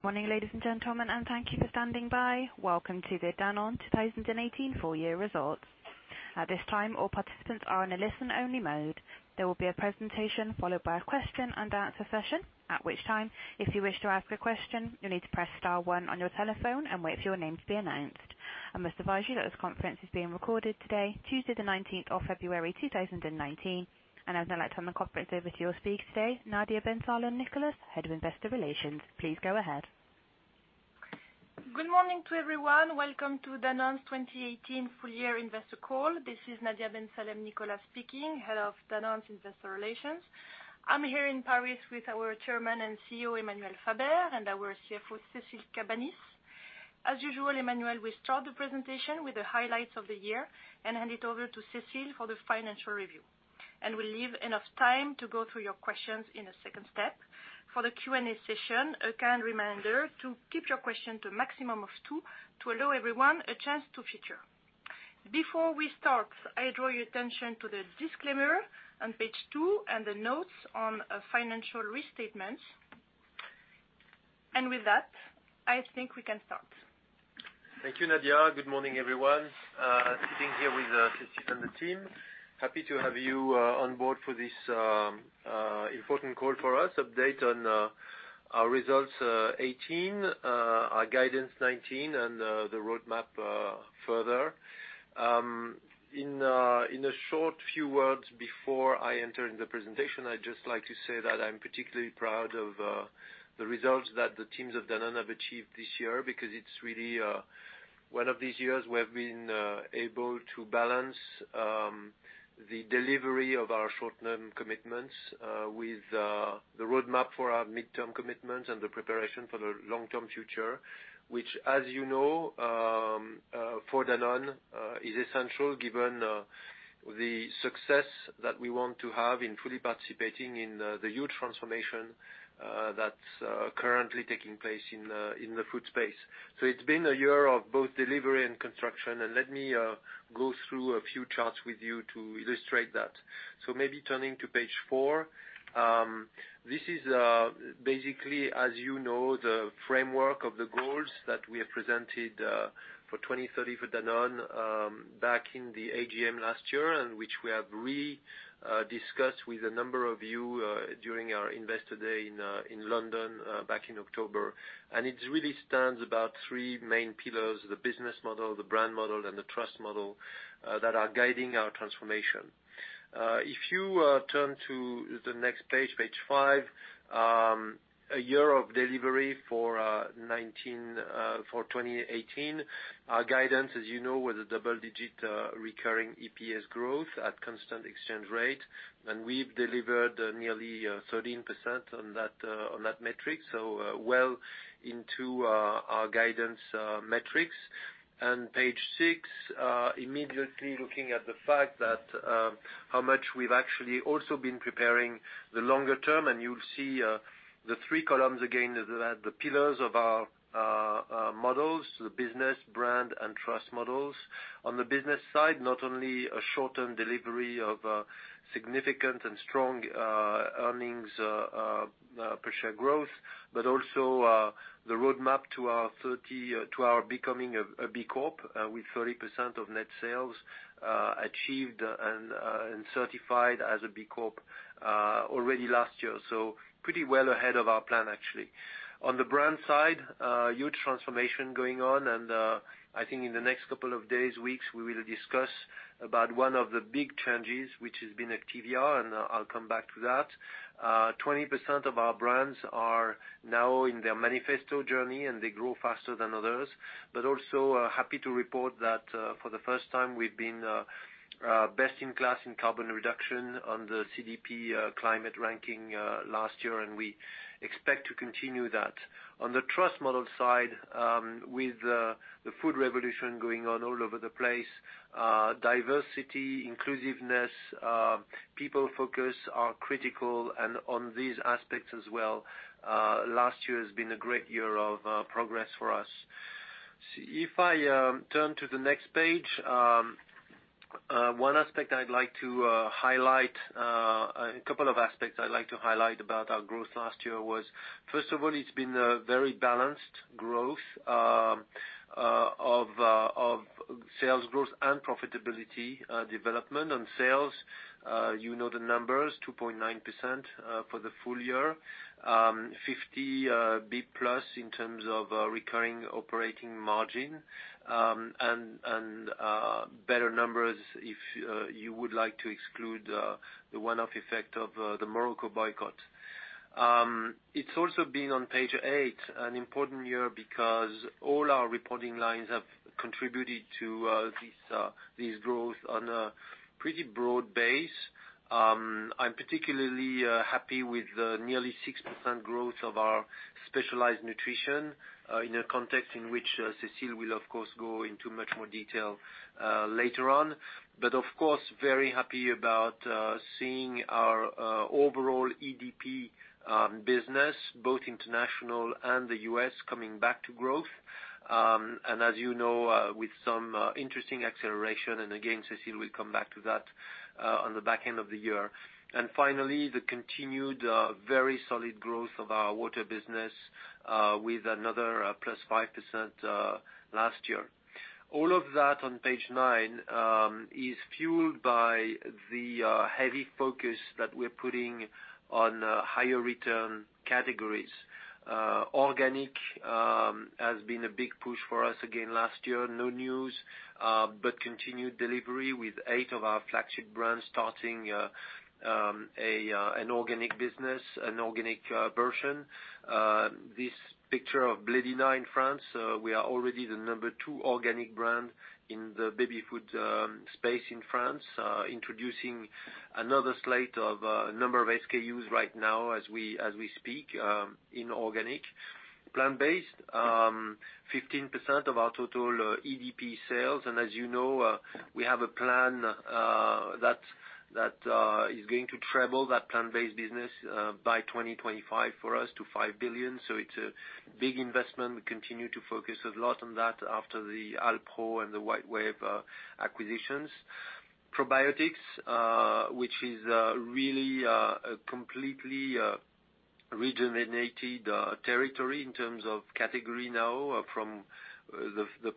Good morning, ladies and gentlemen, thank you for standing by. Welcome to the Danone 2018 full year results. At this time, all participants are in a listen-only mode. There will be a presentation followed by a question-and-answer session, at which time, if you wish to ask a question, you will need to press star one on your telephone and wait for your name to be announced. I must advise you that this conference is being recorded today, Tuesday the 19th of February, 2019. I would now like to turn the conference over to your speaker today, Nadia Ben Salem-Nicolas, Head of Investor Relations. Please go ahead. Good morning to everyone. Welcome to Danone's 2018 full year investor call. This is Nadia Ben Salem-Nicolas speaking, Head of Danone's Investor Relations. I am here in Paris with our Chairman and CEO, Emmanuel Faber, and our CFO, Cécile Cabanis. As usual, Emmanuel will start the presentation with the highlights of the year and hand it over to Cécile for the financial review. We will leave enough time to go through your questions in a second step. For the Q&A session, a kind reminder to keep your question to a maximum of two to allow everyone a chance to feature. Before we start, I draw your attention to the disclaimer on page two and the notes on financial restatements. With that, I think we can start. Thank you, Nadia. Good morning, everyone. Sitting here with Cécile and the team. Happy to have you on board for this important call for us, update on our results 2018, our guidance 2019, and the roadmap further. In a short few words before I enter in the presentation, I would just like to say that I am particularly proud of the results that the teams of Danone have achieved this year, because it is really one of these years we have been able to balance the delivery of our short-term commitments with the roadmap for our mid-term commitments and the preparation for the long-term future, which, as you know, for Danone, is essential given the success that we want to have in fully participating in the huge transformation that is currently taking place in the food space. It has been a year of both delivery and construction, let me go through a few charts with you to illustrate that. Maybe turning to page four. This is basically, as you know, the framework of the goals that we have presented for 2030 for Danone back in the AGM last year, which we have re-discussed with a number of you during our investor day in London back in October. It really stands about three main pillars, the business model, the brand model, and the trust model, that are guiding our transformation. If you turn to the next page five, a year of delivery for 2018. Our guidance, as you know, with a double-digit recurring EPS growth at constant exchange rate. We have delivered nearly 13% on that metric, well into our guidance metrics. Page six, immediately looking at the fact that how much we've actually also been preparing the longer term, and you'll see the three columns again, the pillars of our models, the business, brand, and trust models. On the business side, not only a short-term delivery of significant and strong earnings per share growth, but also the roadmap to our becoming a B Corp, with 30% of net sales achieved and certified as a B Corp already last year. So pretty well ahead of our plan, actually. On the brand side, huge transformation going on, and I think in the next couple of days, weeks, we will discuss about one of the big changes, which has been Activia, and I'll come back to that. 20% of our brands are now in their manifesto journey, and they grow faster than others. But also, happy to report that for the first time, we've been best in class in carbon reduction on the CDP climate ranking last year, and we expect to continue that. On the trust model side, with the food revolution going on all over the place, diversity, inclusiveness, people focus are critical, and on these aspects as well, last year has been a great year of progress for us. If I turn to the next page, a couple of aspects I'd like to highlight about our growth last year was, first of all, it's been a very balanced growth of sales growth and profitability development. On sales, you know the numbers, 2.9% for the full year, 50 B-plus in terms of recurring operating margin, and better numbers if you would like to exclude the one-off effect of the Morocco boycott. It's also been, on page eight, an important year because all our reporting lines have contributed to this growth on a pretty broad base. I'm particularly happy with the nearly 6% growth of our Specialized Nutrition in a context in which Cécile will, of course, go into much more detail later on. But of course, very happy about seeing our overall EDP business, both international and the U.S., coming back to growth. And as you know, with some interesting acceleration, and again, Cécile will come back to that on the back end of the year. And finally, the continued very solid growth of our water business with another +5% last year. All of that on page nine is fueled by the heavy focus that we're putting on higher return categories. Organic has been a big push for us again last year. No news, but continued delivery with eight of our flagship brands starting an organic business, an organic version. This picture of Blédina in France, we are already the number two organic brand in the baby food space in France, introducing another slate of a number of SKUs right now as we speak in organic. Plant-based, 15% of our total EDP sales. As you know, we have a plan that is going to treble that plant-based business by 2025 for us to 5 billion. So it's a big investment. We continue to focus a lot on that after the Alpro and the WhiteWave acquisitions. Probiotics, which is really a completely rejuvenated territory in terms of category now from the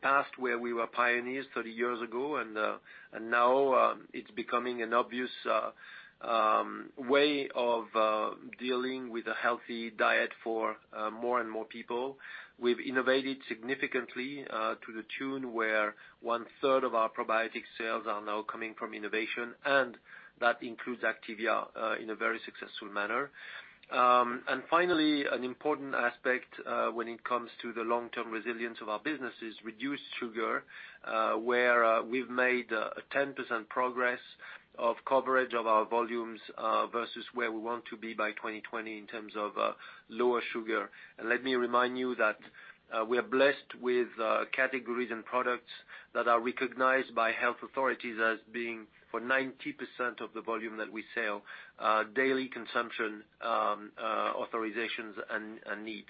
past where we were pioneers 30 years ago, and now it's becoming an obvious way of dealing with a healthy diet for more and more people. We've innovated significantly, to the tune where one-third of our probiotic sales are now coming from innovation, and that includes Activia in a very successful manner. Finally, an important aspect when it comes to the long-term resilience of our business is reduced sugar, where we've made a 10% progress of coverage of our volumes versus where we want to be by 2020 in terms of lower sugar. Let me remind you that we are blessed with categories and products that are recognized by health authorities as being, for 90% of the volume that we sell, daily consumption authorizations and needs.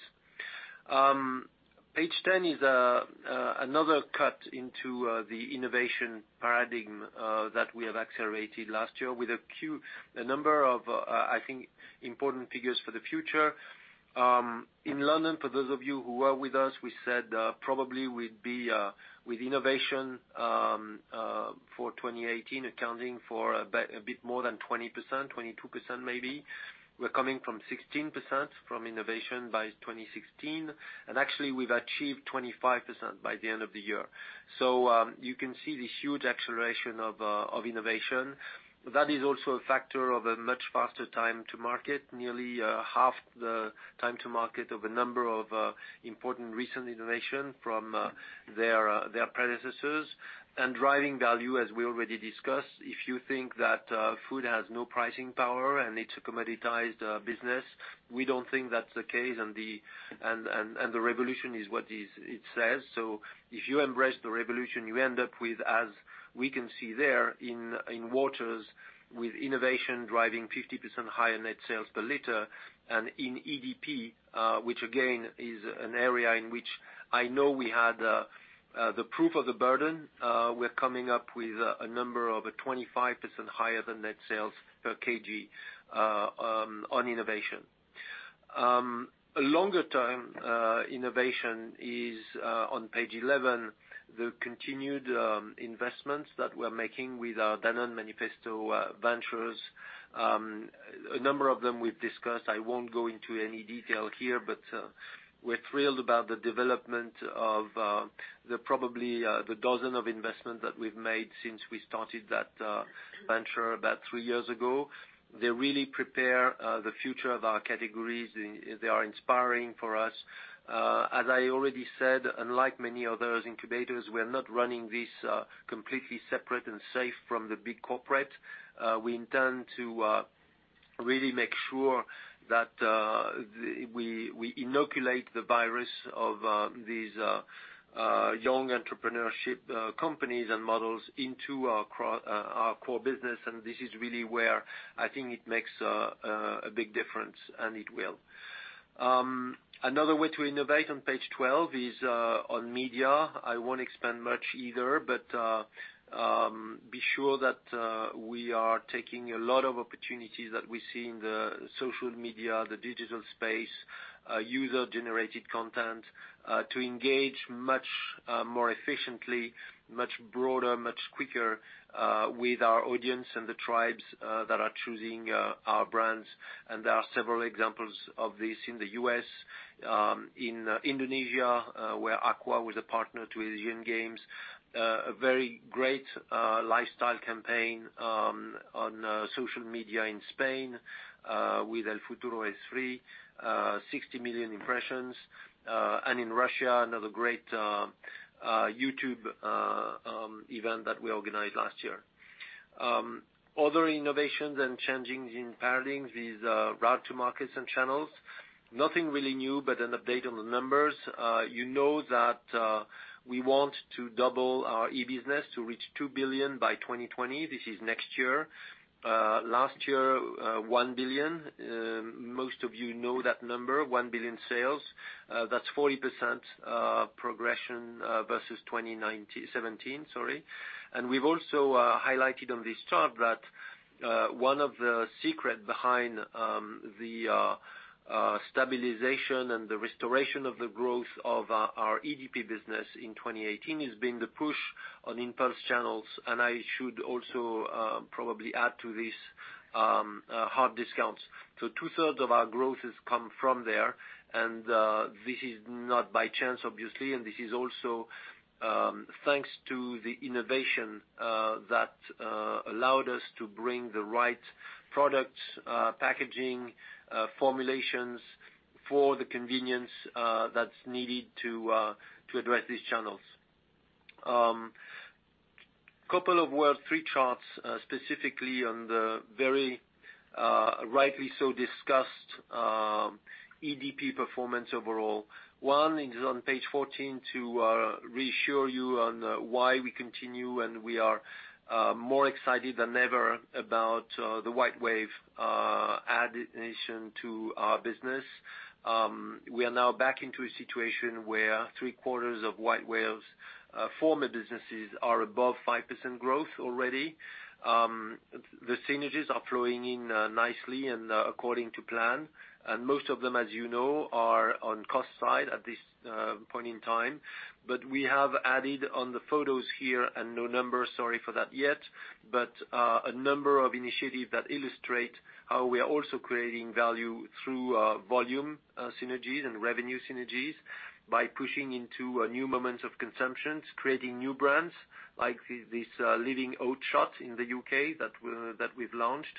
Page 10 is another cut into the innovation paradigm that we have accelerated last year with a number of, I think, important figures for the future. In London, for those of you who were with us, we said probably we'd be with innovation for 2018 accounting for a bit more than 20%, 22% maybe. We're coming from 16% from innovation by 2016, actually we've achieved 25% by the end of the year. You can see the huge acceleration of innovation. That is also a factor of a much faster time to market, nearly half the time to market of a number of important recent innovation from their predecessors. Driving value, as we already discussed, if you think that food has no pricing power and it's a commoditized business, we don't think that's the case, and the revolution is what it says. If you embrace the revolution, you end up with, as we can see there in waters with innovation driving 50% higher net sales per liter, and in EDP, which again is an area in which I know we had the proof of the burden, we're coming up with a number of a 25% higher than net sales per kg on innovation. A longer-term innovation is on page 11, the continued investments that we're making with our Danone Manifesto Ventures. A number of them we've discussed. I won't go into any detail here, but we're thrilled about the development of the probably the dozen of investment that we've made since we started that venture about three years ago. They really prepare the future of our categories. They are inspiring for us. As I already said, unlike many other incubators, we're not running this completely separate and safe from the big corporate. We intend to really make sure that we inoculate the virus of these young entrepreneurship companies and models into our core business, and this is really where I think it makes a big difference, and it will. Another way to innovate on page 12 is on media. I won't expand much either, but be sure that we are taking a lot of opportunities that we see in the social media, the digital space, user-generated content to engage much more efficiently, much broader, much quicker with our audience and the tribes that are choosing our brands. There are several examples of this in the U.S., in Indonesia, where Aqua was a partner to Asian Games, a very great lifestyle campaign on social media in Spain with El futuro es FREE, 60 million impressions, in Russia, another great YouTube event that we organized last year. Other innovations and changing in paradigms is route to markets and channels. Nothing really new, but an update on the numbers. We want to double our e-business to reach 2 billion by 2020. This is next year. Last year, 1 billion. Most of you know that number, 1 billion sales. That's 40% progression versus 2017. We've also highlighted on this chart that one of the secret behind the stabilization and the restoration of the growth of our EDP business in 2018 has been the push on impulse channels. I should also probably add to this hard discounts. Two-thirds of our growth has come from there. This is not by chance, obviously, and this is also thanks to the innovation that allowed us to bring the right products, packaging, formulations for the convenience that's needed to address these channels. Couple of words, three charts, specifically on the very rightly so discussed EDP performance overall. One is on page 14 to reassure you on why we continue, and we are more excited than ever about the WhiteWave addition to our business. We are now back into a situation where three-quarters of WhiteWave's former businesses are above 5% growth already. The synergies are flowing in nicely and according to plan, and most of them, as you know, are on cost side at this point in time. We have added on the photos here and no number, sorry for that yet, but a number of initiatives that illustrate how we are also creating value through volume synergies and revenue synergies by pushing into new moments of consumptions, creating new brands like this Living Oat Shot in the U.K. that we've launched.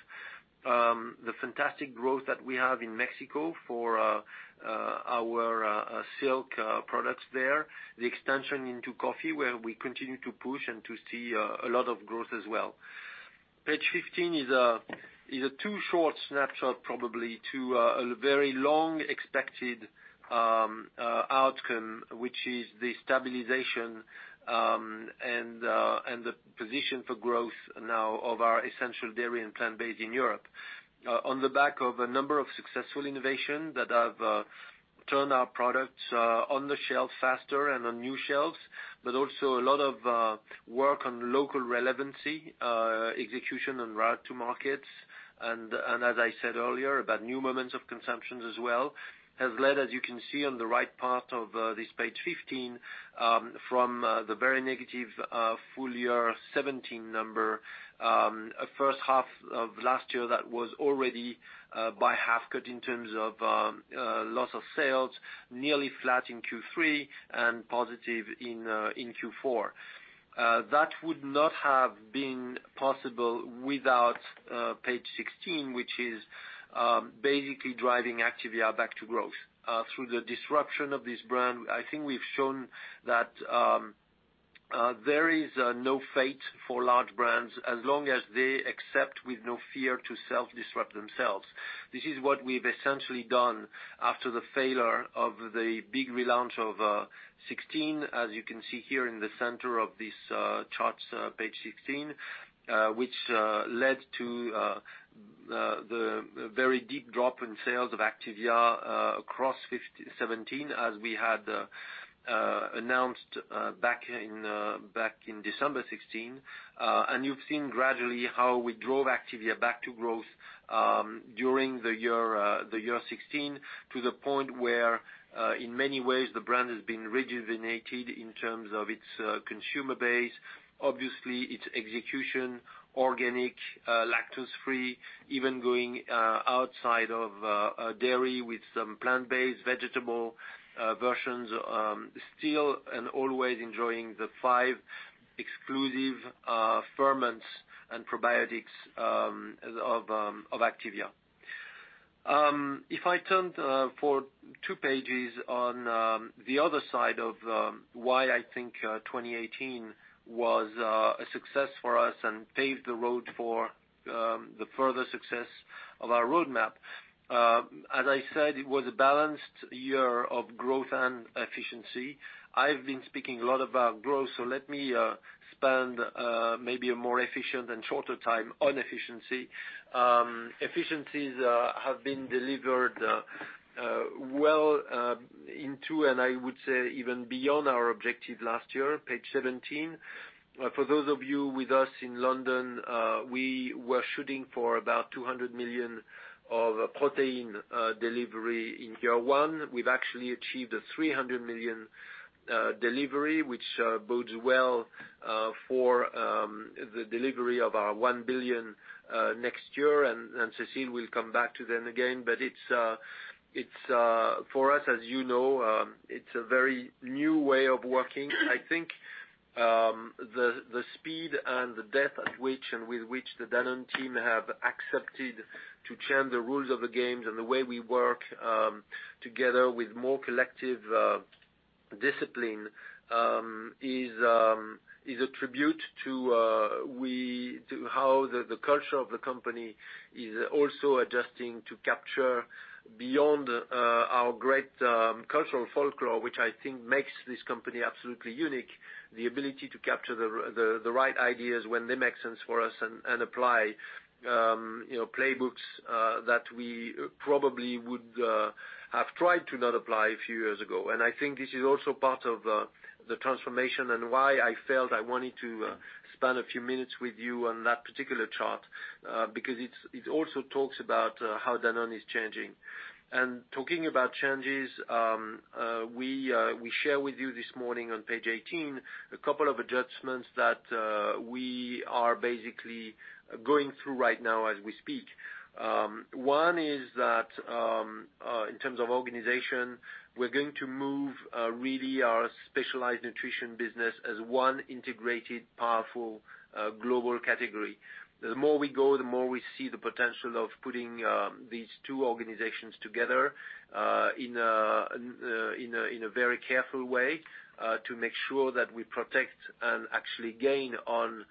The fantastic growth that we have in Mexico for our Silk products there. The extension into coffee, where we continue to push and to see a lot of growth as well. Page 15 is a two short snapshot, probably to a very long expected outcome, which is the stabilization and the position for growth now of our Essential Dairy and Plant-Based in Europe. On the back of a number of successful innovation that have turned our products on the shelf faster and on new shelves, but also a lot of work on local relevancy, execution and route to markets. As I said earlier about new moments of consumptions as well, has led, as you can see on the right part of this page 15, from the very negative full year 2017 number, first half of last year, that was already by half cut in terms of loss of sales, nearly flat in Q3, positive in Q4. That would not have been possible without page 16, which is basically driving Activia back to growth. Through the disruption of this brand, I think we've shown that there is no fate for large brands as long as they accept with no fear to self-disrupt themselves. This is what we've essentially done after the failure of the big relaunch of 2016, as you can see here in the center of these charts, page 16, which led to the very deep drop in sales of Activia across 2017, as we had announced back in December 2016. You've seen gradually how we drove Activia back to growth during the year 2016, to the point where, in many ways, the brand has been rejuvenated in terms of its consumer base, obviously its execution, organic, lactose-free, even going outside of dairy with some plant-based vegetable versions. Still and always enjoying the five exclusive ferments and probiotics of Activia. If I turned for two pages on the other side of why I think 2018 was a success for us and paved the road for the further success of our roadmap. As I said, it was a balanced year of growth and efficiency. I've been speaking a lot about growth, let me spend maybe a more efficient and shorter time on efficiency. Efficiencies have been delivered well into, and I would say even beyond our objective last year, page 17. For those of you with us in London, we were shooting for about 200 million of Protein delivery in year one. We've actually achieved a 300 million delivery, which bodes well for the delivery of our 1 billion next year. Cécile will come back to them again, but for us, as you know, it's a very new way of working. I think the speed and the depth at which and with which the Danone team have accepted to change the rules of the games and the way we work together with more collective discipline is a tribute to how the culture of the company is also adjusting to capture beyond our great cultural folklore, which I think makes this company absolutely unique, the ability to capture the right ideas when they make sense for us and apply playbooks that we probably would have tried to not apply a few years ago. I think this is also part of the transformation and why I felt I wanted to spend a few minutes with you on that particular chart, because it also talks about how Danone is changing. Talking about changes, we share with you this morning on page 18, a couple of adjustments that we are basically going through right now as we speak. One is that, in terms of organization, we're going to move really our Specialized Nutrition business as one integrated, powerful, global category. The more we go, the more we see the potential of putting these two organizations together in a very careful way, to make sure that we protect and actually gain on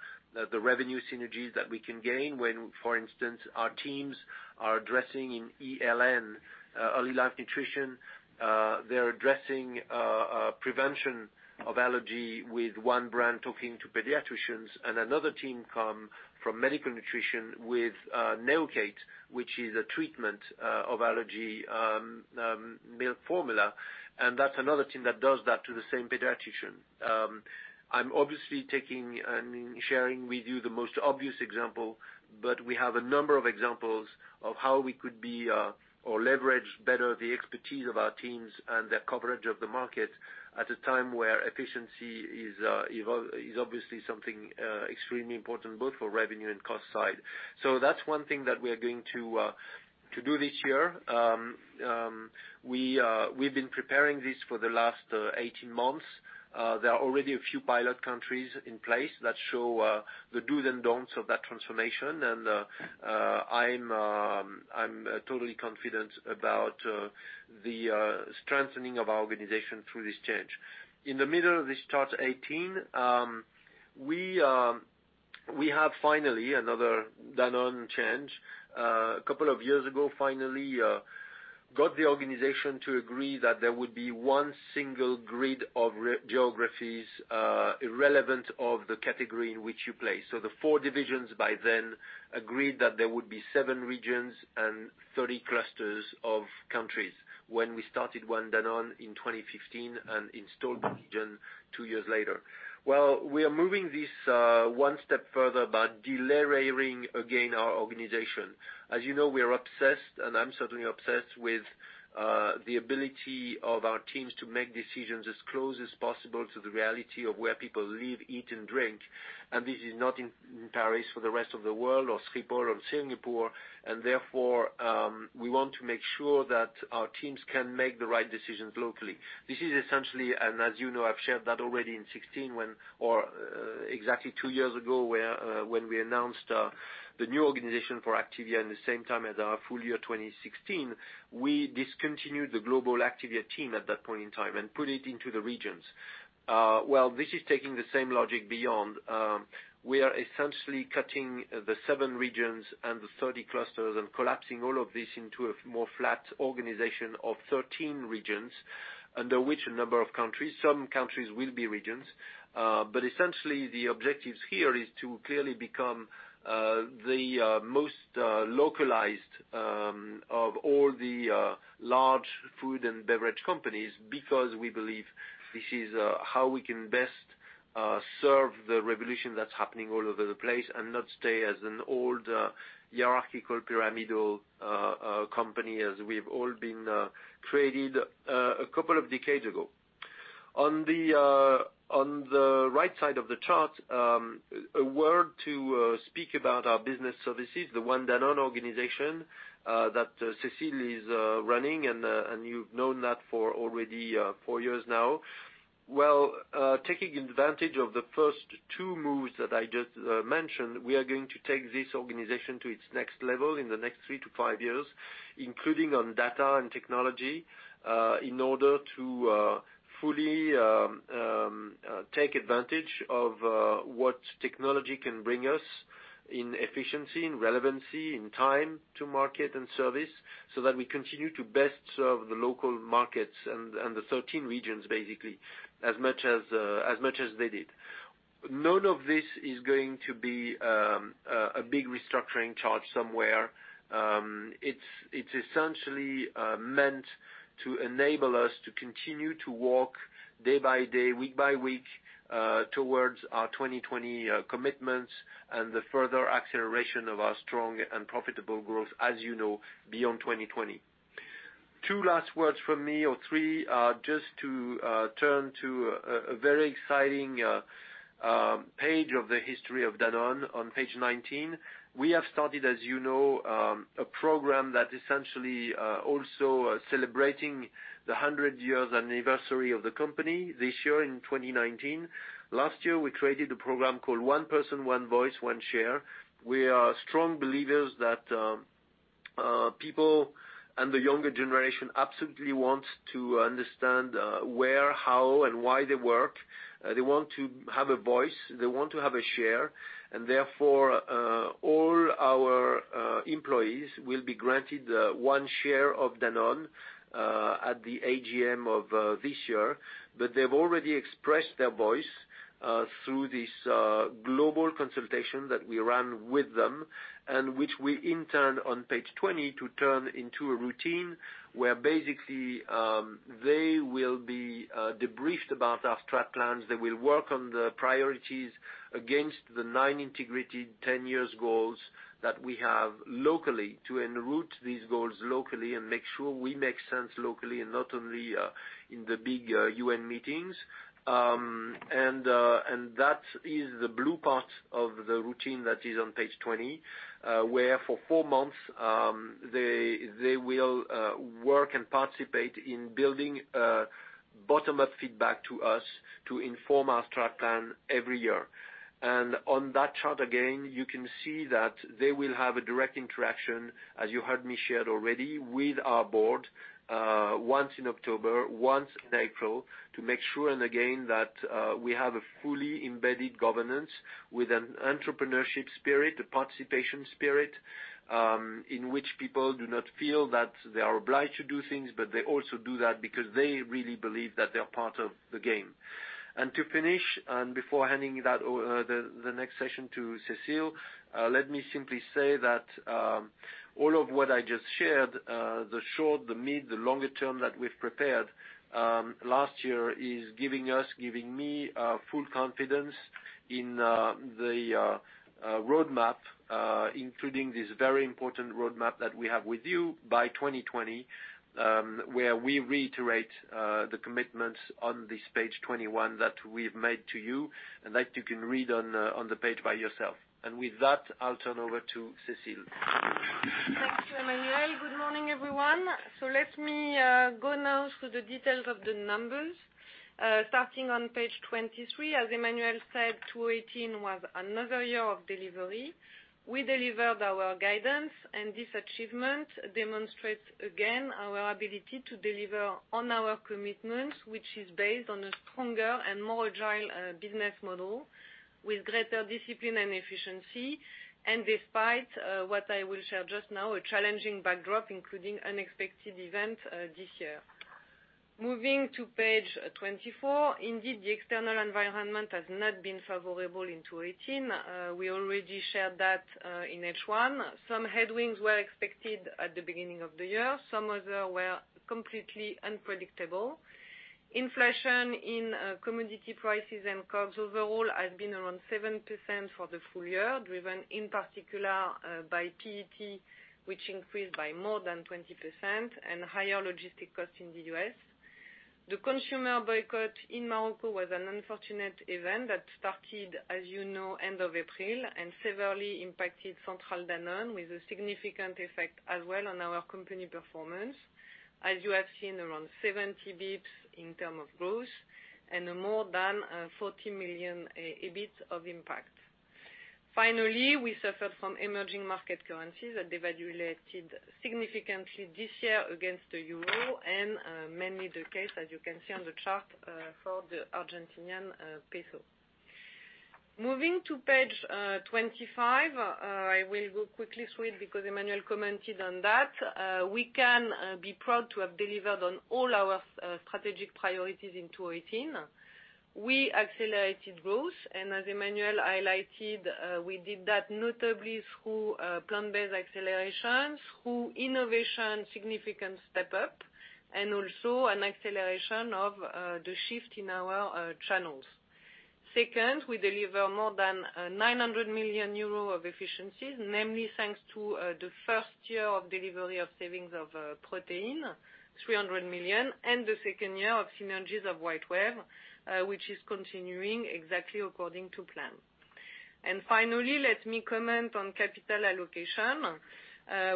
the revenue synergies that we can gain when, for instance, our teams are addressing in ELN, Early Life Nutrition, they're addressing prevention of allergy with one brand talking to pediatricians and another team come from Medical Nutrition with Neocate, which is a treatment of allergy milk formula. That's another team that does that to the same pediatrician. I'm obviously taking and sharing with you the most obvious example, but we have a number of examples of how we could be, or leverage better the expertise of our teams and their coverage of the market at a time where efficiency is obviously something extremely important, both for revenue and cost side. That's one thing that we are going to do this year. We've been preparing this for the last 18 months. There are already a few pilot countries in place that show the do's and don'ts of that transformation and I'm totally confident about the strengthening of our organization through this change. In the middle of this chart 18, we have finally another Danone change. A couple of years ago, finally, got the organization to agree that there would be one single grid of geographies irrelevant of the category in which you play. The four divisions by then agreed that there would be seven regions and 30 clusters of countries when we started One Danone in 2015 and installed the region two years later. We are moving this one step further by delayering again our organization. As you know, we are obsessed, and I'm certainly obsessed with the ability of our teams to make decisions as close as possible to the reality of where people live, eat, and drink. This is not in Paris for the rest of the world or Schiphol or Singapore, and therefore, we want to make sure that our teams can make the right decisions locally. This is essentially, and as you know, I've shared that already in 2016 when or exactly two years ago, when we announced the new organization for Activia in the same time as our full year 2016. We discontinued the global Activia team at that point in time and put it into the regions. This is taking the same logic beyond. We are essentially cutting the seven regions and the 30 clusters and collapsing all of this into a more flat organization of 13 regions, under which a number of countries, some countries will be regions. Essentially, the objectives here is to clearly become the most localized of all the large food and beverage companies because we believe this is how we can best serve the revolution that's happening all over the place and not stay as an old hierarchical pyramidal company as we've all been created a couple of decades ago. On the right side of the chart, a word to speak about our business services, the One Danone organization that Cécile is running and you've known that for already four years now. Taking advantage of the first two moves that I just mentioned, we are going to take this organization to its next level in the next three to five years, including on data and technology, in order to fully take advantage of what technology can bring us in efficiency, in relevancy, in time to market and service, so that we continue to best serve the local markets and the 13 regions basically, as much as they did. None of this is going to be a big restructuring charge somewhere. It's essentially meant to enable us to continue to walk day by day, week by week, towards our 2020 commitments and the further acceleration of our strong and profitable growth, as you know, beyond 2020. Two last words from me or three, just to turn to a very exciting page of the history of Danone on page 19. We have started, as you know, a program that essentially, also celebrating the 100 years anniversary of the company this year in 2019. Last year, we created a program called One Person, One Voice, One Share. We are strong believers that people and the younger generation absolutely want to understand where, how, and why they work. They want to have a voice, they want to have a share. Therefore, all our employees will be granted one share of Danone at the AGM of this year. They've already expressed their voice through this global consultation that we ran with them, and which we, in turn, on Page 20, to turn into a routine where basically they will be debriefed about our strat plans. They will work on the priorities against the nine integrated 10 years goals that we have locally to enroute these goals locally and make sure we make sense locally and not only in the big U.N. meetings. That is the blue part of the routine that is on Page 20, where for four months, they will work and participate in building a bottom-up feedback to us to inform our strat plan every year. On that chart again, you can see that they will have a direct interaction, as you heard me share already, with our Board, once in October, once in April, to make sure, and again, that we have a fully embedded governance with an entrepreneurship spirit, a participation spirit, in which people do not feel that they are obliged to do things, but they also do that because they really believe that they are part of the game. To finish, and before handing the next session to Cécile, let me simply say that all of what I just shared, the short, the mid, the longer term that we've prepared last year is giving us, giving me full confidence in the roadmap, including this very important roadmap that we have with you by 2020, where we reiterate the commitments on this Page 21 that we've made to you and that you can read on the page by yourself. With that, I'll turn over to Cécile. Thank you, Emmanuel. Good morning, everyone. Let me go now through the details of the numbers. Starting on page 23, as Emmanuel said, 2018 was another year of delivery. We delivered our guidance, and this achievement demonstrates again our ability to deliver on our commitments, which is based on a stronger and more agile business model with greater discipline and efficiency, and despite, what I will share just now, a challenging backdrop, including unexpected events this year. Moving to page 24. Indeed, the external environment has not been favorable in 2018. We already shared that in H1. Some headwinds were expected at the beginning of the year. Some others were completely unpredictable. Inflation in commodity prices and COGS overall has been around 7% for the full year, driven in particular by PET, which increased by more than 20%, and higher logistic costs in the U.S. The consumer boycott in Morocco was an unfortunate event that started, as you know, end of April and severely impacted Centrale Danone, with a significant effect as well on our company performance. As you have seen, around 70 basis points in term of growth and more than 40 million EBIT of impact. Finally, we suffered from emerging market currencies that devaluated significantly this year against the EUR and mainly the case, as you can see on the chart, for the Argentinian peso. Moving to page 25. I will go quickly through it because Emmanuel commented on that. We can be proud to have delivered on all our strategic priorities in 2018. We accelerated growth, and as Emmanuel highlighted, we did that notably through plant-based acceleration, through innovation significant step up, and also an acceleration of the shift in our channels. Second, we deliver more than 900 million euros of efficiencies, namely thanks to the first year of delivery of savings of Protein, 300 million, and the second year of synergies of WhiteWave, which is continuing exactly according to plan. Finally, let me comment on capital allocation.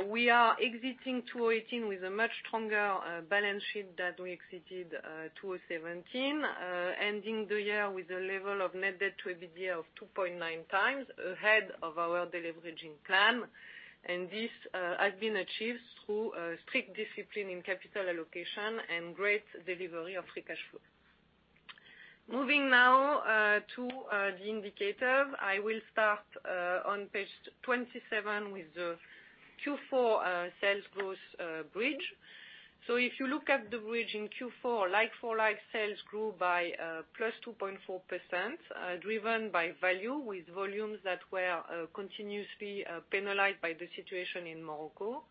We are exiting 2018 with a much stronger balance sheet that we exited 2017, ending the year with a level of net debt to EBITDA of 2.9 times ahead of our deleveraging plan. This has been achieved through strict discipline in capital allocation and great delivery of free cash flow. Moving now to the indicators. I will start on page 27 with the Q4 sales growth bridge. If you look at the bridge in Q4, like-for-like sales grew by +2.4%, driven by value with volumes that were continuously penalized by the situation in Morocco.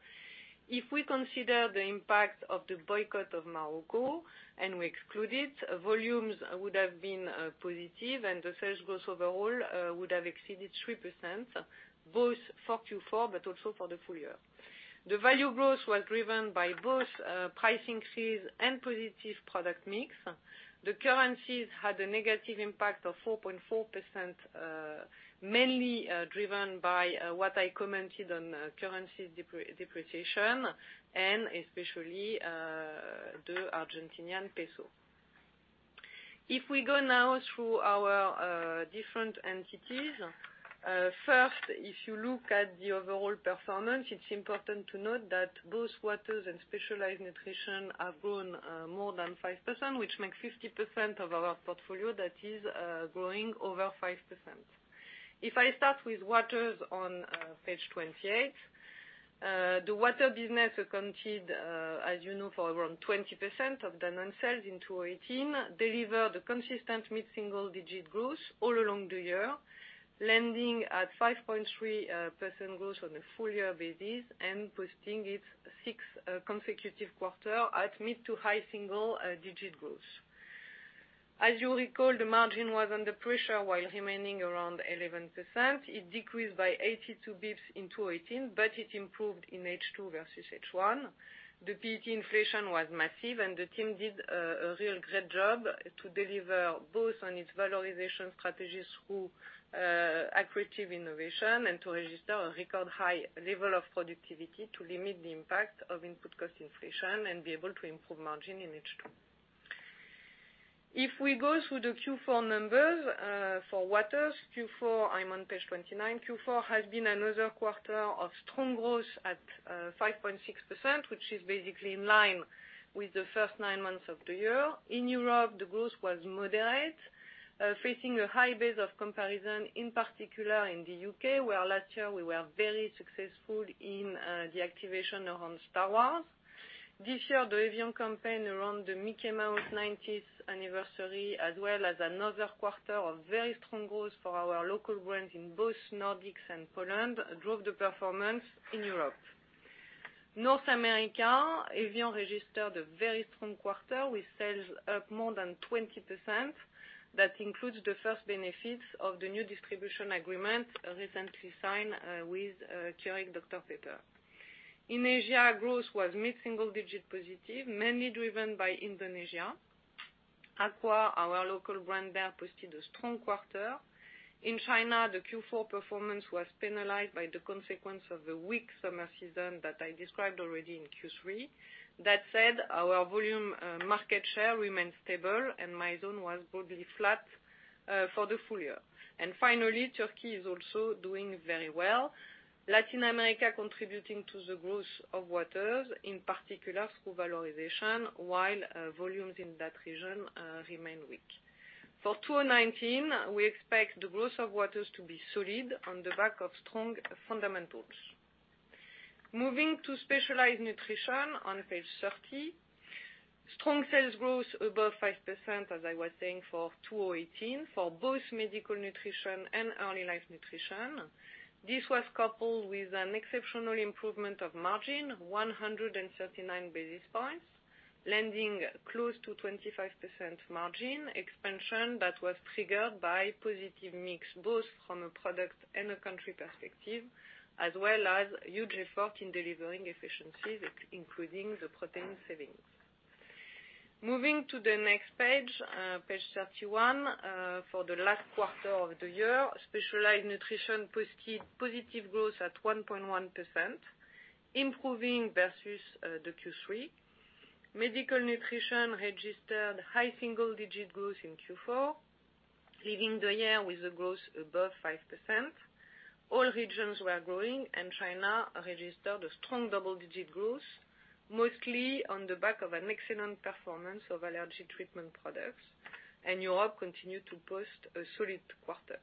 If we consider the impact of the boycott of Morocco and we exclude it, volumes would have been positive and the sales growth overall would have exceeded 3%, both for Q4 but also for the full year. The value growth was driven by both pricing fees and positive product mix. The currencies had a negative impact of 4.4%, mainly driven by what I commented on currencies depreciation and especially the Argentinian peso. If we go now through different entities. First, if you look at the overall performance, it's important to note that both Waters and Specialized Nutrition have grown more than 5%, which makes 50% of our portfolio that is growing over 5%. If I start with Waters on page 28. The water business accounted, as you know, for around 20% of Danone sales in 2018, delivered consistent mid-single digit growth all along the year, landing at 5.3% growth on a full year basis and posting its sixth consecutive quarter at mid to high single digit growth. As you recall, the margin was under pressure while remaining around 11%. It decreased by 82 basis points in 2018, but it improved in H2 versus H1. The PET inflation was massive and the team did a real great job to deliver both on its valorization strategies through accretive innovation and to register a record high level of productivity to limit the impact of input cost inflation and be able to improve margin in H2. If we go through the Q4 numbers for Waters, Q4, I'm on page 29. Q4 has been another quarter of strong growth at 5.6%, which is basically in line with the first nine months of the year. In Europe, the growth was moderate, facing a high base of comparison, in particular in the U.K., where last year we were very successful in the activation around Star Wars. This year, the evian campaign around the Mickey Mouse 90th anniversary, as well as another quarter of very strong growth for our local brands in both Nordics and Poland, drove the performance in Europe. North America, evian registered a very strong quarter with sales up more than 20%. That includes the first benefits of the new distribution agreement recently signed with Keurig Dr Pepper. In Asia, growth was mid-single digit positive, mainly driven by Indonesia. Aqua, our local brand there, posted a strong quarter. In China, the Q4 performance was penalized by the consequence of the weak summer season that I described already in Q3. That said, our volume market share remains stable and Mizone was broadly flat for the full year. Finally, Turkey is also doing very well. Latin America contributing to the growth of waters, in particular through valorization, while volumes in that region remain weak. For 2019, we expect the growth of waters to be solid on the back of strong fundamentals. Moving to Specialized Nutrition on page 30. Strong sales growth above 5%, as I was saying, for 2018 for both Medical Nutrition and Early Life Nutrition. This was coupled with an exceptional improvement of margin, 139 basis points, landing close to 25% margin expansion that was triggered by positive mix, both from a product and a country perspective, as well as huge effort in delivering efficiencies, including the Protein savings. Moving to the next page 31. For the last quarter of the year, Specialized Nutrition posted positive growth at 1.1%, improving versus the Q3. Medical Nutrition registered high single-digit growth in Q4, leaving the year with a growth above 5%. All regions were growing, China registered a strong double-digit growth, mostly on the back of an excellent performance of allergy treatment products, Europe continued to post a solid quarter.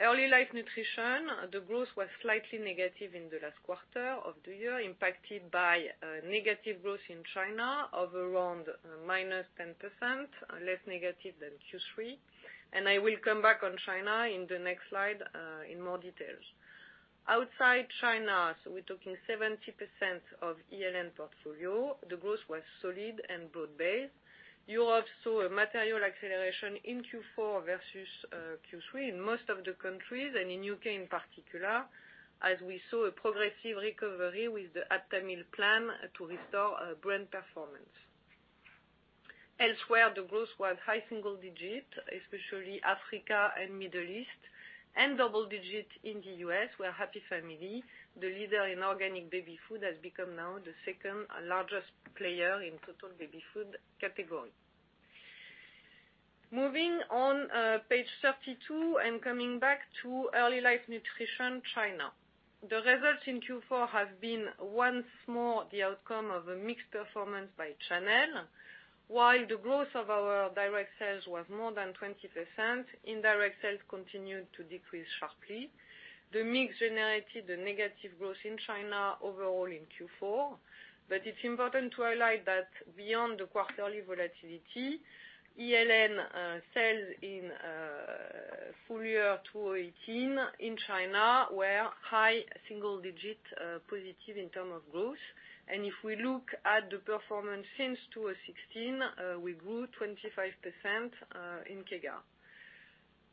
Early Life Nutrition, the growth was slightly negative in the last quarter of the year, impacted by negative growth in China of around minus 10%, less negative than Q3. I will come back on China in the next slide in more details. Outside China, we're talking 70% of ELN portfolio, the growth was solid and broad-based. You also saw a material acceleration in Q4 versus Q3 in most of the countries, and in U.K. in particular, as we saw a progressive recovery with the Aptamil plan to restore brand performance. Elsewhere, the growth was high single digit, especially Africa and Middle East, and double digit in the U.S., where Happy Family, the leader in organic baby food, has become now the second largest player in total baby food category. Moving on page 32 and coming back to Early Life Nutrition, China. The results in Q4 have been once more the outcome of a mixed performance by channel. While the growth of our direct sales was more than 20%, indirect sales continued to decrease sharply. The mix generated a negative growth in China overall in Q4. It's important to highlight that beyond the quarterly volatility, ELN sales in full year 2018 in China were high single digit positive in term of growth. If we look at the performance since 2016, we grew 25% in CBEC.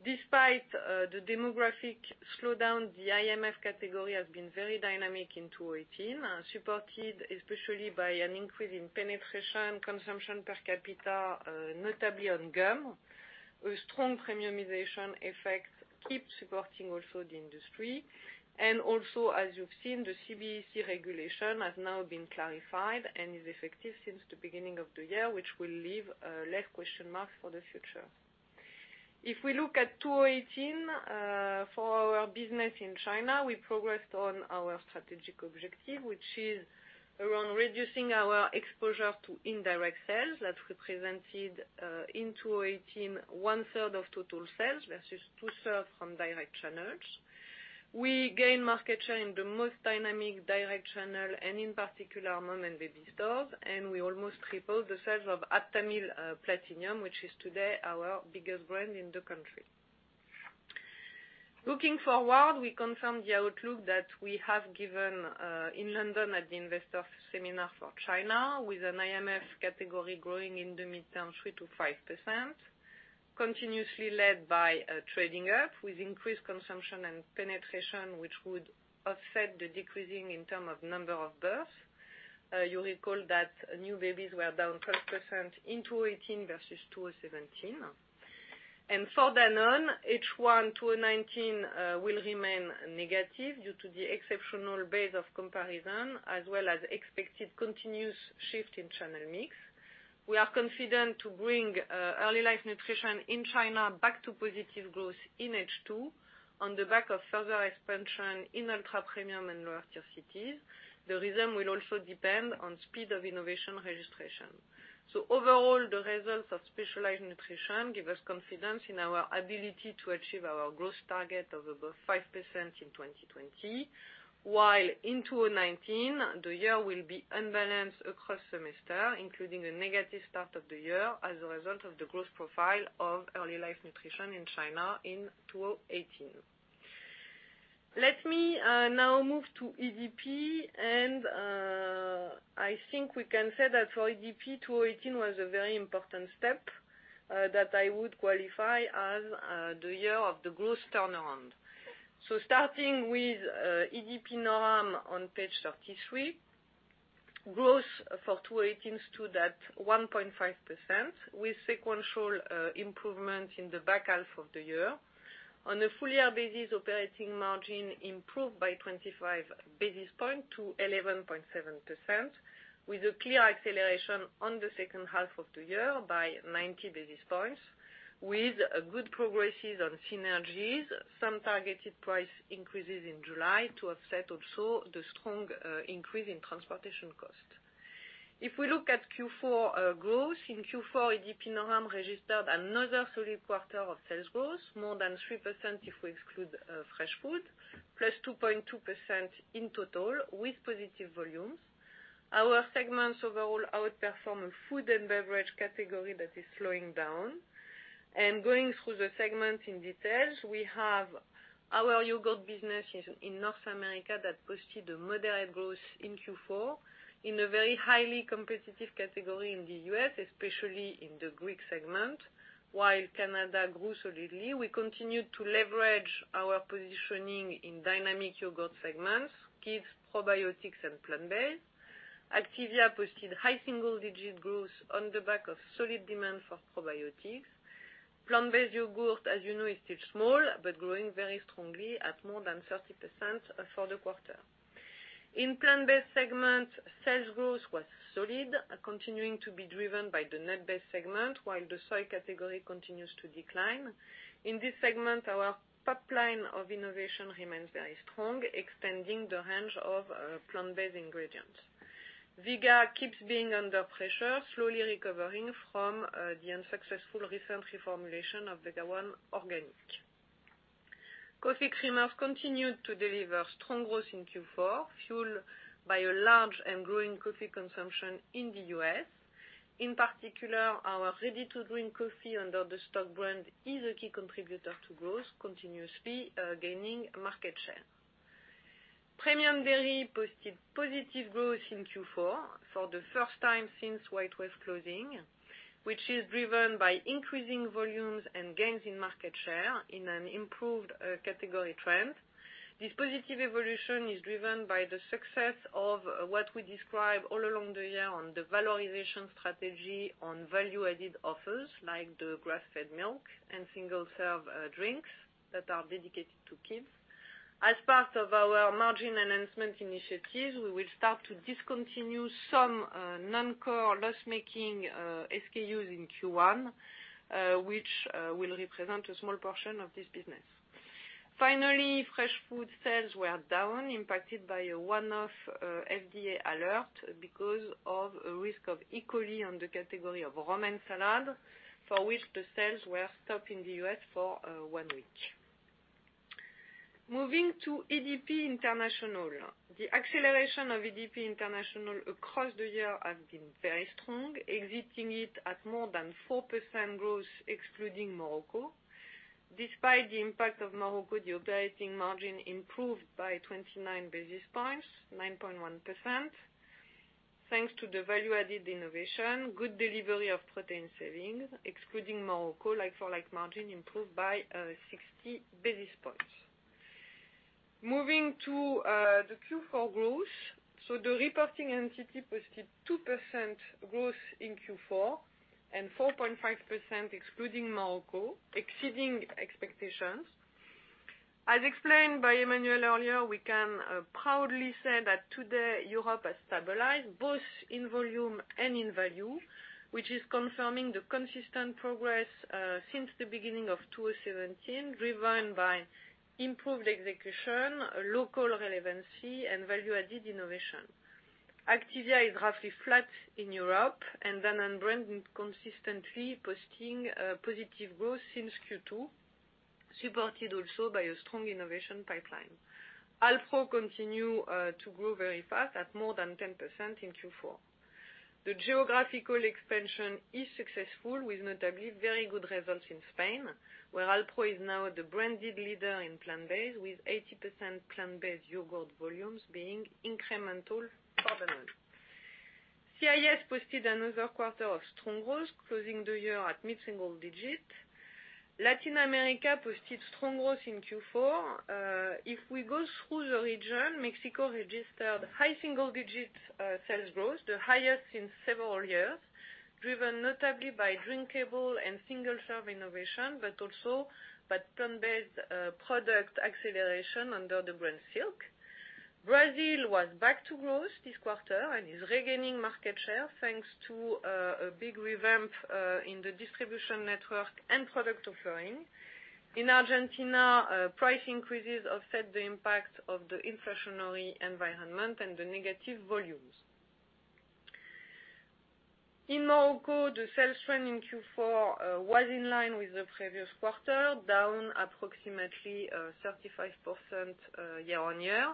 Despite the demographic slowdown, the IMF category has been very dynamic in 2018, supported especially by an increase in penetration, consumption per capita, notably on gum, a strong premiumization effect. Keep supporting also the industry. Also, as you've seen, the CBEC regulation has now been clarified and is effective since the beginning of the year, which will leave less question marks for the future. If we look at 2018, for our business in China, we progressed on our strategic objective, which is around reducing our exposure to indirect sales that represented, in 2018, one-third of total sales versus two-thirds from direct channels. We gain market share in the most dynamic direct channel and in particular, mom-and-baby stores, and we almost tripled the sales of Aptamil Platinum, which is today our biggest brand in the country. Looking forward, we confirm the outlook that we have given in London at the investor seminar for China, with an IMF category growing in the midterm 3%-5%, continuously led by trading up with increased consumption and penetration, which would offset the decreasing in term of number of births. You'll recall that new babies were down 12% in 2018 versus 2017. For Danone, H1 2019 will remain negative due to the exceptional base of comparison as well as expected continuous shift in channel mix. We are confident to bring Early Life Nutrition in China back to positive growth in H2 on the back of further expansion in ultra-premium and lower tier cities. The ramp-up will also depend on speed of innovation registration. Overall, the results of Specialized Nutrition give us confidence in our ability to achieve our growth target of above 5% in 2020. While in 2019, the year will be unbalanced across semester, including a negative start of the year as a result of the growth profile of Early Life Nutrition in China in 2018. Let me now move to EDP. I think we can say that for EDP, 2018 was a very important step that I would qualify as the year of the growth turnaround. Starting with EDP Noram on page three, growth for 2018 stood at 1.5% with sequential improvement in the back half of the year. On a full-year basis, operating margin improved by 25 basis points to 11.7%, with a clear acceleration on the second half of the year by 90 basis points, with good progresses on synergies, some targeted price increases in July to offset also the strong increase in transportation cost. If we look at Q4 growth, in Q4, EDP Noram registered another solid quarter of sales growth, more than 3% if we exclude fresh food, plus 2.2% in total with positive volumes. Our segments overall outperform a food and beverage category that is slowing down. Going through the segment in details, we have our yogurt business in North America that posted a moderate growth in Q4 in a very highly competitive category in the U.S., especially in the Greek segment, while Canada grew solidly. We continued to leverage our positioning in dynamic yogurt segments, kids, probiotics, and plant-based. Activia posted high single digit growth on the back of solid demand for probiotics. Plant-based yogurt, as you know, is still small, but growing very strongly at more than 30% for the quarter. In plant-based segment, sales growth was solid, continuing to be driven by the nut-based segment, while the soy category continues to decline. In this segment, our pipeline of innovation remains very strong, extending the range of plant-based ingredients. Vega keeps being under pressure, slowly recovering from the unsuccessful recent reformulation of Vega One Organic. Coffee creamers continued to deliver strong growth in Q4, fueled by a large and growing coffee consumption in the U.S. In particular, our ready-to-drink coffee under the STOK brand is a key contributor to growth, continuously gaining market share. Premium Dairy posted positive growth in Q4 for the first time since WhiteWave closing, which is driven by increasing volumes and gains in market share in an improved category trend. This positive evolution is driven by the success of what we describe all along the year on the valorization strategy on value-added offers, like the grass-fed milk and single-serve drinks that are dedicated to kids. As part of our margin enhancement initiatives, we will start to discontinue some non-core loss-making SKUs in Q1, which will represent a small portion of this business. Finally, fresh food sales were down, impacted by a one-off FDA alert because of a risk of E coli. coli on the category of romaine salad, for which the sales were stopped in the U.S. for one week. Moving to EDP International. The acceleration of EDP International across the year has been very strong, exiting it at more than 4% growth, excluding Morocco. Despite the impact of Morocco, the operating margin improved by 29 basis points, 9.1%, thanks to the value-added innovation, good delivery of Protein savings, excluding Morocco, like-for-like margin improved by 60 basis points. Moving to the Q4 growth. The reporting entity posted 2% growth in Q4, and 4.5% excluding Morocco, exceeding expectations. As explained by Emmanuel earlier, we can proudly say that today, Europe has stabilized both in volume and in value, which is confirming the consistent progress since the beginning of 2017, driven by improved execution, local relevancy, and value-added innovation. Activia is roughly flat in Europe. Danone consistently posting a positive growth since Q2, supported also by a strong innovation pipeline. Alpro continue to grow very fast at more than 10% in Q4. The geographical expansion is successful with notably very good results in Spain, where Alpro is now the branded leader in plant-based, with 80% plant-based yogurt volumes being incremental permanent. CIS posted another quarter of strong growth, closing the year at mid-single digit. Latin America posted strong growth in Q4. Mexico registered high single-digit sales growth, the highest in several years, driven notably by drinkable and single-serve innovation, but also by plant-based product acceleration under the brand Silk. Brazil was back to growth this quarter and is regaining market share, thanks to a big revamp in the distribution network and product offering. In Argentina, price increases offset the impact of the inflationary environment and the negative volumes. In Morocco, the sales trend in Q4 was in line with the previous quarter, down approximately 35% year-on-year.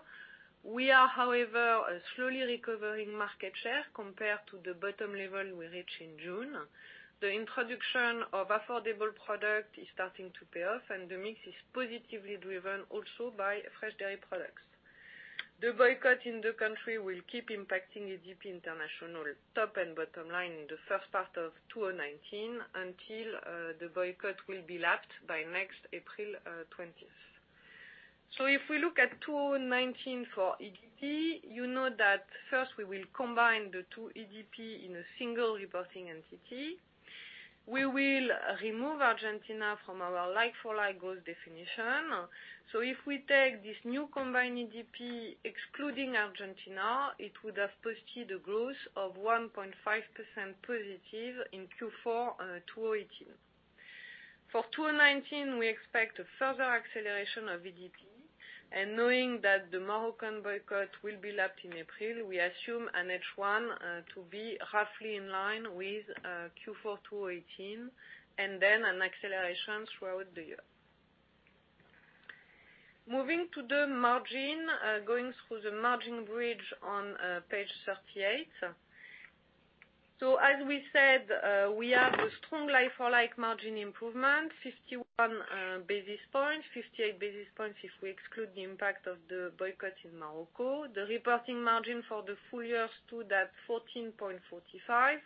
We are, however, slowly recovering market share compared to the bottom level we reached in June. The introduction of affordable product is starting to pay off, the mix is positively driven also by fresh dairy products. The boycott in the country will keep impacting EDP International top and bottom line in the first part of 2019 until the boycott will be lapped by next April 20th. If we look at 2019 for EDP, you know that first we will combine the two EDP in a single reporting entity. We will remove Argentina from our like-for-like growth definition. If we take this new combined EDP excluding Argentina, it would have posted a growth of 1.5% positive in Q4 2018. For 2019, we expect a further acceleration of EDP. Knowing that the Moroccan boycott will be lapped in April, we assume H1 to be roughly in line with Q4 2018, then an acceleration throughout the year. Moving to the margin, going through the margin bridge on page 38. As we said, we have a strong like-for-like margin improvement, 51 basis points, 58 basis points if we exclude the impact of the boycott in Morocco. The reporting margin for the full year stood at 14.45%.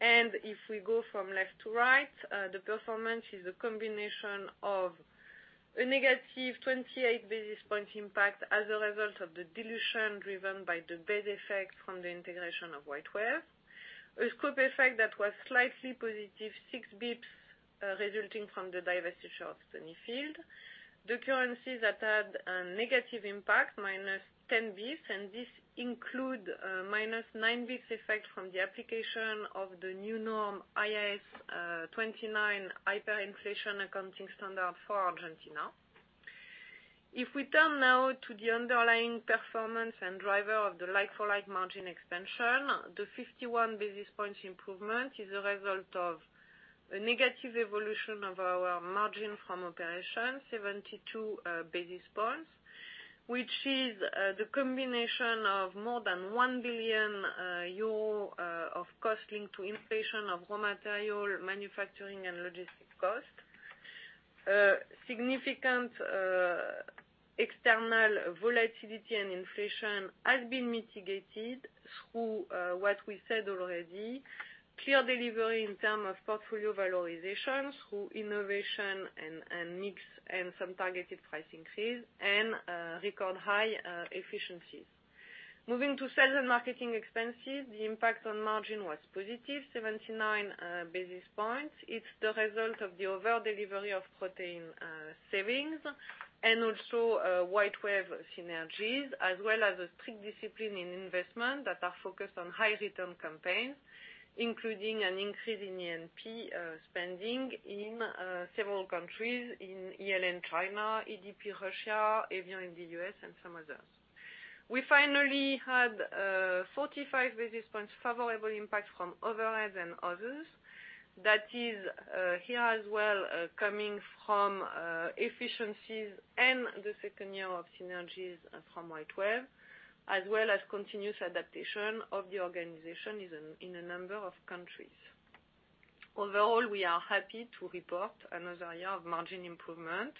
If we go from left to right, the performance is a combination of a negative 28 basis point impact as a result of the dilution driven by the base effect from the integration of WhiteWave. A scope effect that was slightly positive, 6 basis points, resulting from the divestiture of Stonyfield. The currencies that had a negative impact, -10 basis points. This include a -9 basis points effect from the application of the new norm, IAS 29, hyperinflation accounting standard for Argentina. If we turn now to the underlying performance and driver of the like-for-like margin expansion, the 51 basis points improvement is a result of a negative evolution of our margin from operation, 72 basis points, which is the combination of more than 1 billion euro of cost linked to inflation of raw material, manufacturing, and logistics cost. Significant external volatility and inflation has been mitigated through what we said already, clear delivery in term of portfolio valorization through innovation and mix and some targeted price increase and record high efficiencies. Moving to sales and marketing expenses, the impact on margin was positive, 79 basis points. It is the result of the overall delivery of Protein savings and also WhiteWave synergies, as well as a strict discipline in investment that are focused on high return campaigns, including an increase in the A&P spending in several countries, in ELN China, EDP Russia, evian in the U.S., and some others. We finally had a 45 basis points favorable impact from overheads and others. That is here as well, coming from efficiencies and the second year of synergies from WhiteWave, as well as continuous adaptation of the organization in a number of countries. Overall, we are happy to report another year of margin improvement,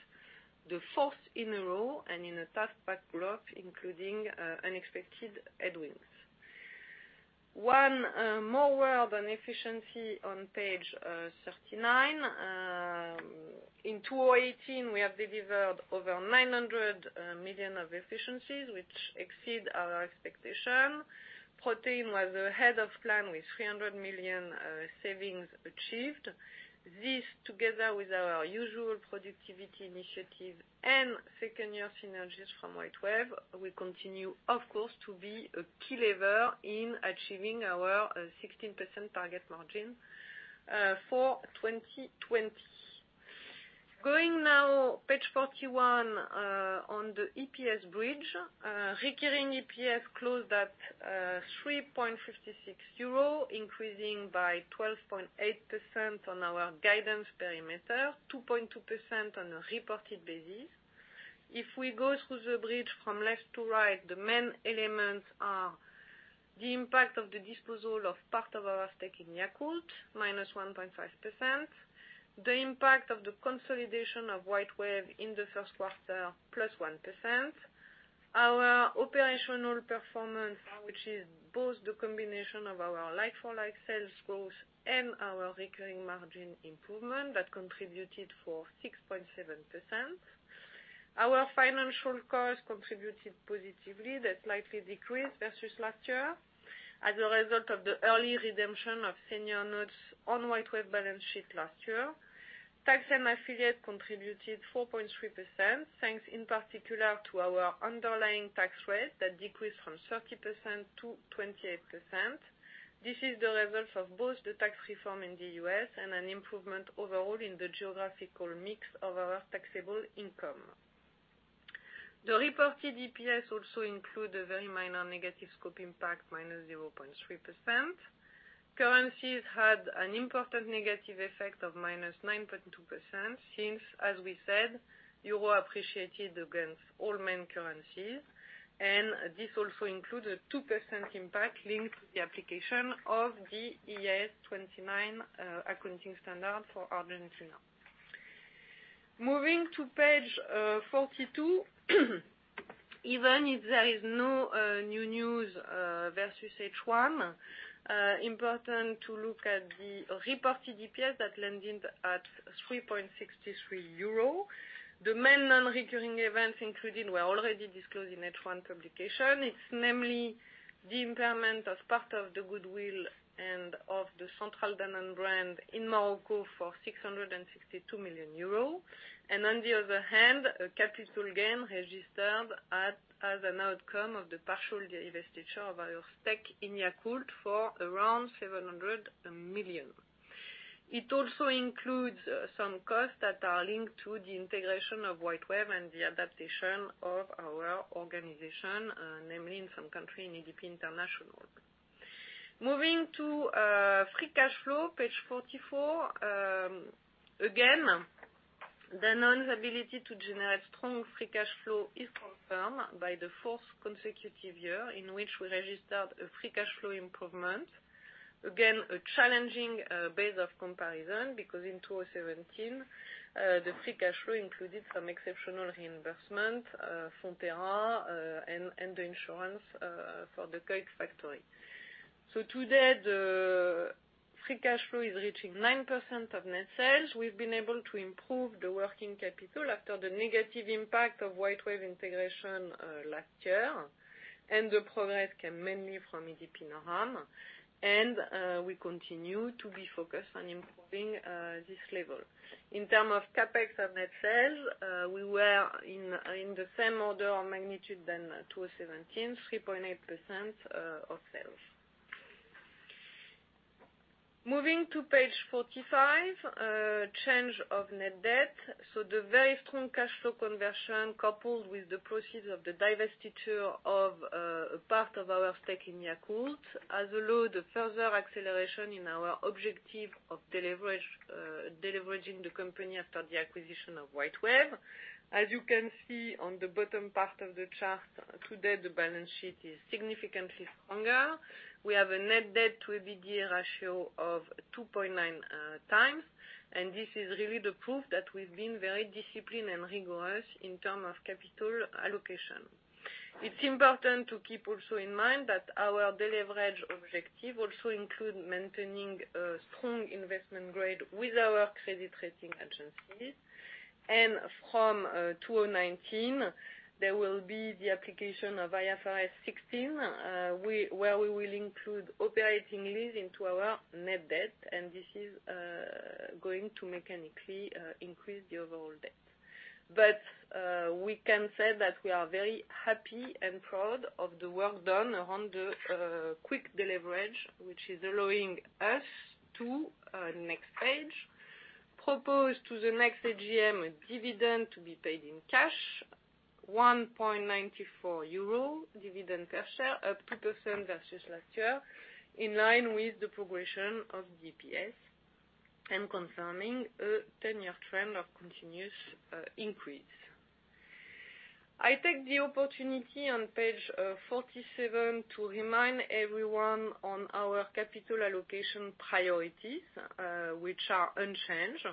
the fourth in a row, and in a tough backdrop, including unexpected headwinds. One more word on efficiency on page 39. In 2018, we have delivered over 900 million of efficiencies, which exceed our expectation. Protein was ahead of plan with 300 million savings achieved. This, together with our usual productivity initiative and second year synergies from WhiteWave, will continue, of course, to be a key lever in achieving our 16% target margin for 2020. Going now, page 41, on the EPS bridge. Recurring EPS closed at 3.56 euro, increasing by 12.8% on our guidance perimeter, 2.2% on a reported basis. If we go through the bridge from left to right, the main elements are the impact of the disposal of part of our stake in Yakult, -1.5%. The impact of the consolidation of WhiteWave in the first quarter, +1%. Our operational performance, which is both the combination of our like-for-like sales growth and our recurring margin improvement, that contributed for 6.7%. Our financial costs contributed positively. That slightly decreased versus last year as a result of the early redemption of senior notes on WhiteWave balance sheet last year. Tax and affiliate contributed 4.3%, thanks in particular to our underlying tax rate that decreased from 30% to 28%. This is the result of both the tax reform in the U.S. and an improvement overall in the geographical mix of our taxable income. The reported EPS also include a very minor negative scope impact, -0.3%. Currencies had an important negative effect of -9.2%, since, as we said, EUR appreciated against all main currencies. This also includes a 2% impact linked to the application of the IAS 29 accounting standard for Argentina. Moving to page 42. Even if there is no new news versus H1, important to look at the reported EPS that landed at 3.63 euro. The main non-recurring events included were already disclosed in H1 publication. It is namely the impairment of part of the goodwill and of the Centrale Danone brand in Morocco for 662 million euros. On the other hand, a capital gain registered as an outcome of the partial divestiture of our stake in Yakult for around 700 million. It also includes some costs that are linked to the integration of WhiteWave and the adaptation of our organization, namely in some country in EDP International. Moving to free cash flow, page 44. Again, Danone's ability to generate strong free cash flow is confirmed by the fourth consecutive year in which we registered a free cash flow improvement. Again, a challenging base of comparison because in 2017, the free cash flow included some exceptional reimbursement, Fonterra, and the insurance for the KeHE factory. Today, the free cash flow is reaching 9% of net sales. We've been able to improve the working capital after the negative impact of WhiteWave integration last year, and the progress came mainly from EDP Noram, and we continue to be focused on improving this level. In term of CapEx and net sales, we were in the same order or magnitude than 2017, 3.8% of sales. Moving to page 45, change of net debt. The very strong cash flow conversion, coupled with the proceeds of the divestiture of a part of our stake in Yakult, has allowed a further acceleration in our objective of de-leveraging the company after the acquisition of WhiteWave. As you can see on the bottom part of the chart, today, the balance sheet is significantly stronger. We have a net debt to EBITDA ratio of 2.9 times, and this is really the proof that we've been very disciplined and rigorous in term of capital allocation. It's important to keep also in mind that our de-leverage objective also include maintaining a strong investment grade with our credit rating agencies. And from 2019, there will be the application of IFRS 16, where we will include operating lease into our net debt, and this is going to mechanically increase the overall debt. But we can say that we are very happy and proud of the work done around the quick de-leverage, which is allowing us to, next page, propose to the next AGM a dividend to be paid in cash, 1.94 euro dividend per share, up 2% versus last year, in line with the progression of DPS, and confirming a 10-year trend of continuous increase. I take the opportunity on page 47 to remind everyone on our capital allocation priorities, which are unchanged.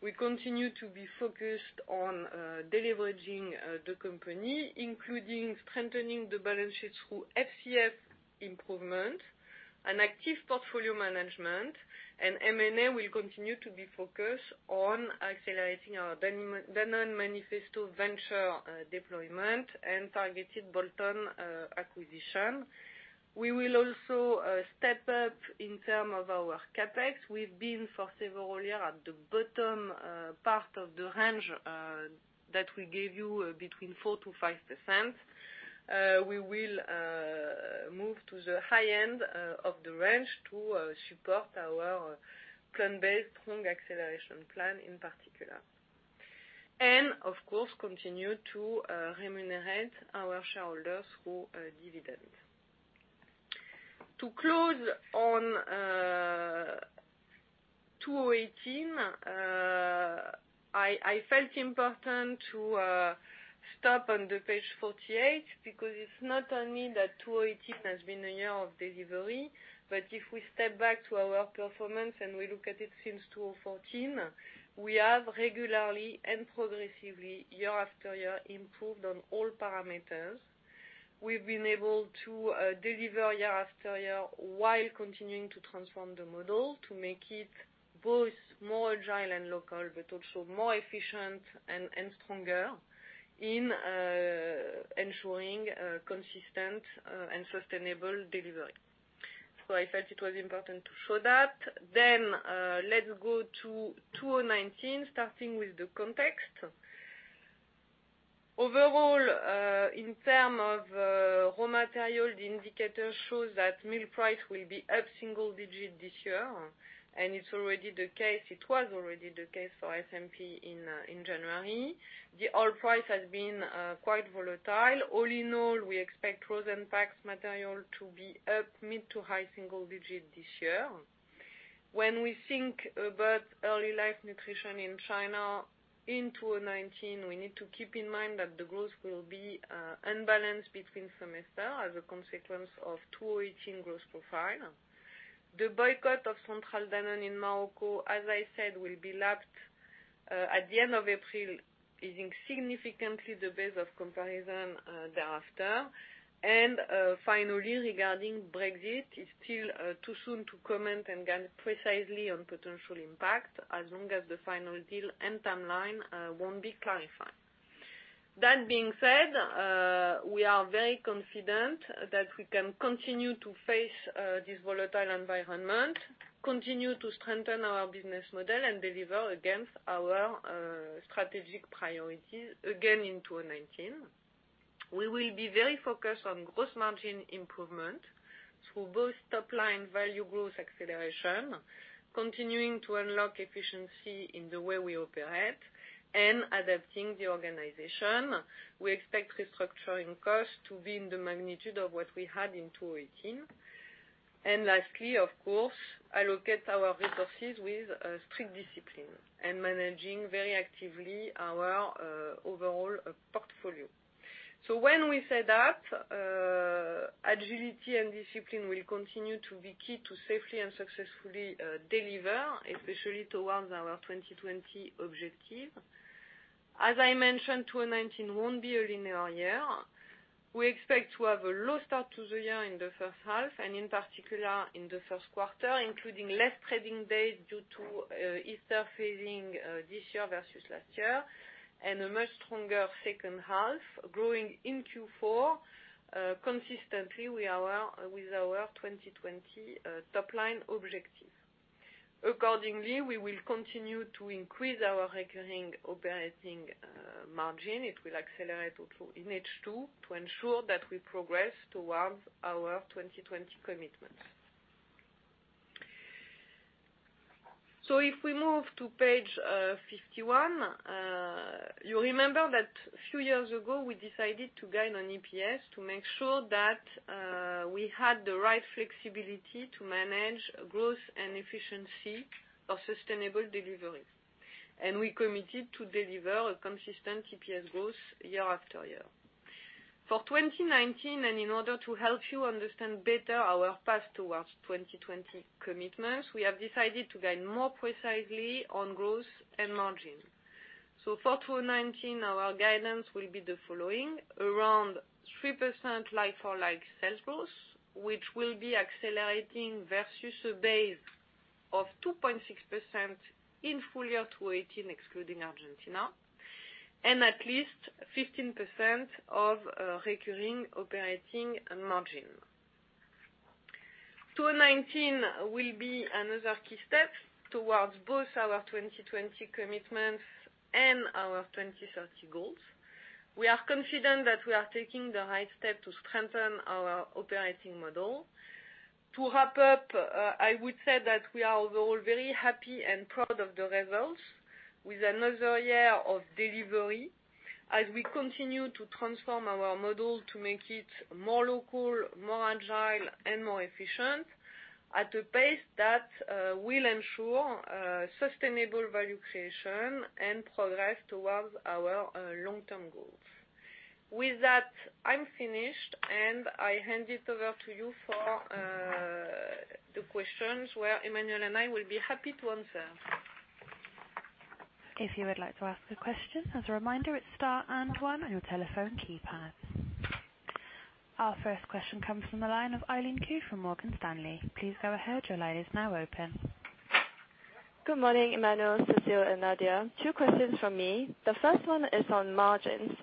We continue to be focused on de-leveraging the company, including strengthening the balance sheet through FCF improvement and active portfolio management, and M&A will continue to be focused on accelerating our Danone Manifesto Ventures deployment and targeted bolt-on acquisition. We will also step up in term of our CapEx. We've been for several year at the bottom part of the range that we gave you, between 4%-5%. And of course, continue to remunerate our shareholders through dividends. To close on 2018, I felt important to stop on the page 48, because it's not only that 2018 has been a year of delivery, but if we step back to our performance, and we look at it since 2014, we have regularly and progressively, year after year, improved on all parameters. We've been able to deliver year after year while continuing to transform the model to make it both more agile and local, but also more efficient and stronger in ensuring consistent and sustainable delivery. I felt it was important to show that. Let's go to 2019, starting with the context. Overall, in terms of raw material, the indicator shows that milk price will be up single-digit this year, and it is already the case. It was already the case for SMP in January. The oil price has been quite volatile. All in all, we expect [frozen packs material] to be up mid-to-high single-digit this year. When we think about Early Life Nutrition in China in 2019, we need to keep in mind that the growth will be unbalanced between semesters as a consequence of 2018 growth profile. The boycott of Centrale Danone in Morocco, as I said, will be lapsed at the end of April, easing significantly the base of comparison thereafter. Finally, regarding Brexit, it is still too soon to comment and guide precisely on potential impact as long as the final deal and timeline will not be clarified. That being said, we are very confident that we can continue to face this volatile environment, continue to strengthen our business model, and deliver against our strategic priorities again in 2019. We will be very focused on gross margin improvement through both top-line value growth acceleration, continuing to unlock efficiency in the way we operate, and adapting the organization. We expect restructuring costs to be in the magnitude of what we had in 2018. Lastly, of course, allocate our resources with strict discipline and managing very actively our overall portfolio. When we say that, agility and discipline will continue to be key to safely and successfully deliver, especially towards our 2020 objective. As I mentioned, 2019 will not be a linear year. We expect to have a low start to the year in the first half, and in particular in the first quarter, including less trading days due to Easter phasing this year versus last year. A much stronger second half, growing in Q4 consistently with our 2020 top-line objective. Accordingly, we will continue to increase our recurring operating margin. It will accelerate also in H2 to ensure that we progress towards our 2020 commitments. If we move to page 51, you remember that a few years ago, we decided to guide on EPS to make sure that we had the right flexibility to manage growth and efficiency of sustainable delivery. We committed to deliver a consistent EPS growth year after year. For 2019, and in order to help you understand better our path towards 2020 commitments, we have decided to guide more precisely on growth and margin. For 2019, our guidance will be the following, around 3% like-for-like sales growth, which will be accelerating versus a base of 2.6% in full year 2018, excluding Argentina, and at least 15% of recurring operating margin. 2019 will be another key step towards both our 2020 commitments and our 2030 goals. We are confident that we are taking the right step to strengthen our operating model. To wrap up, I would say that we are all very happy and proud of the results with another year of delivery as we continue to transform our model to make it more local, more agile, and more efficient. At a pace that will ensure sustainable value creation and progress towards our long-term goals. With that, I am finished, and I hand it over to you for the questions, where Emmanuel and I will be happy to answer. If you would like to ask a question, as a reminder, it's star and one on your telephone keypad. Our first question comes from the line of Eileen Khoo from Morgan Stanley. Please go ahead, your line is now open. Good morning, Emmanuel, Cécile, and Nadia. Two questions from me. The first one is on margins.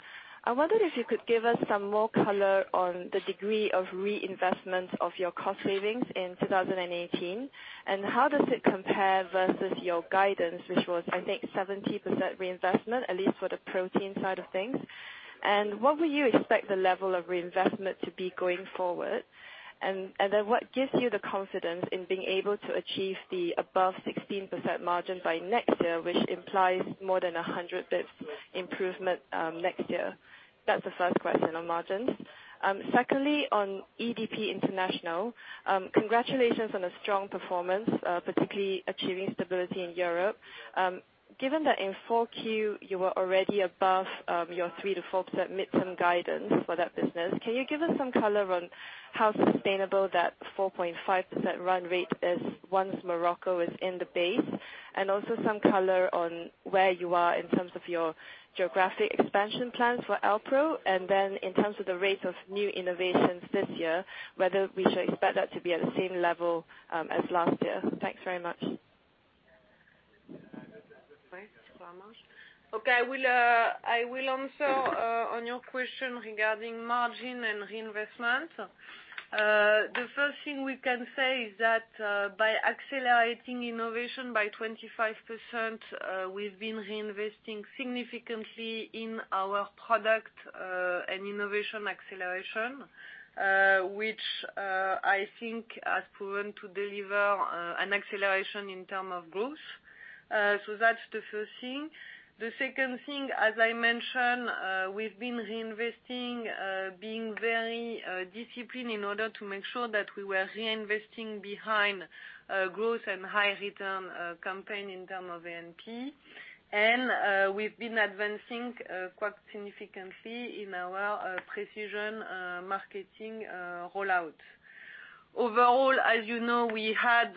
I wondered if you could give us some more color on the degree of reinvestment of your cost savings in 2018, and how does it compare versus your guidance, which was, I think, 70% reinvestment, at least for the Protein side of things. What would you expect the level of reinvestment to be going forward? What gives you the confidence in being able to achieve the above 16% margin by next year, which implies more than 100 basis points improvement, next year? That's the first question on margins. Secondly, on EDP International. Congratulations on a strong performance, particularly achieving stability in Europe. Given that in Q4, you were already above your 3%-4% mid-term guidance for that business, can you give us some color on how sustainable that 4.5% run rate is once Morocco is in the base? Also some color on where you are in terms of your geographic expansion plans for Alpro, in terms of the rate of new innovations this year, whether we should expect that to be at the same level as last year. Thanks very much. Thanks very much. Okay, I will answer on your question regarding margin and reinvestment. The first thing we can say is that, by accelerating innovation by 25%, we've been reinvesting significantly in our product, and innovation acceleration, which I think has proven to deliver an acceleration in terms of growth. That's the first thing. The second thing, as I mentioned, we've been reinvesting, being very disciplined in order to make sure that we were reinvesting behind growth and high return campaign in terms of A&P. We've been advancing quite significantly in our precision marketing rollout. Overall, as you know, we had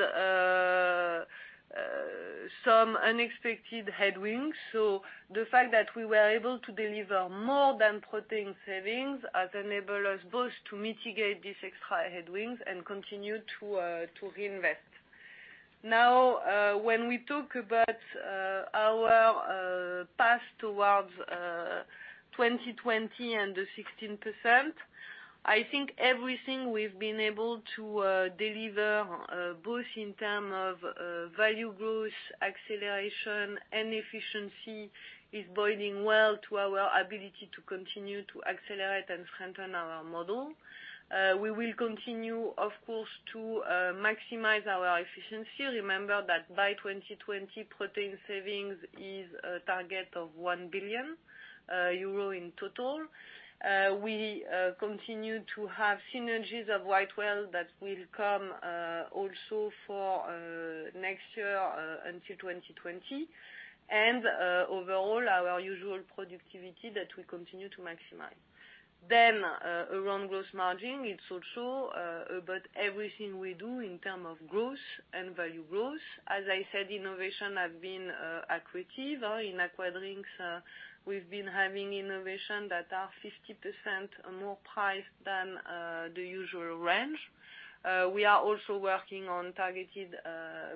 some unexpected headwinds, so the fact that we were able to deliver more than Protein savings has enabled us both to mitigate these extra headwinds and continue to reinvest. When we talk about our path towards 2020 and the 16%, I think everything we've been able to deliver, both in terms of value growth, acceleration, and efficiency is boding well to our ability to continue to accelerate and strengthen our model. We will continue, of course, to maximize our efficiency. Remember that by 2020, Protein savings is a target of 1 billion euro in total. We continue to have synergies of WhiteWave that will come also for next year, until 2020. Overall, our usual productivity that we continue to maximize. Around gross margin, it's also about everything we do in terms of growth and value growth. As I said, innovation have been accretive. In Aquadrinks, we've been having innovation that are 50% more priced than the usual range. We are also working on targeted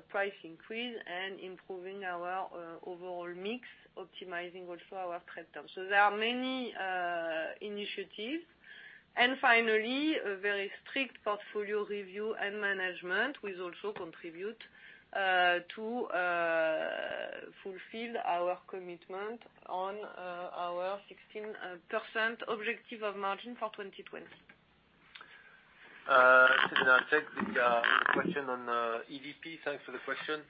price increase and improving our overall mix, optimizing also our trade terms. There are many initiatives. Finally, a very strict portfolio review and management will also contribute to fulfill our commitment on our 16% objective of margin for 2020. Cécile, I'll take the question on EDP. Thanks for the question.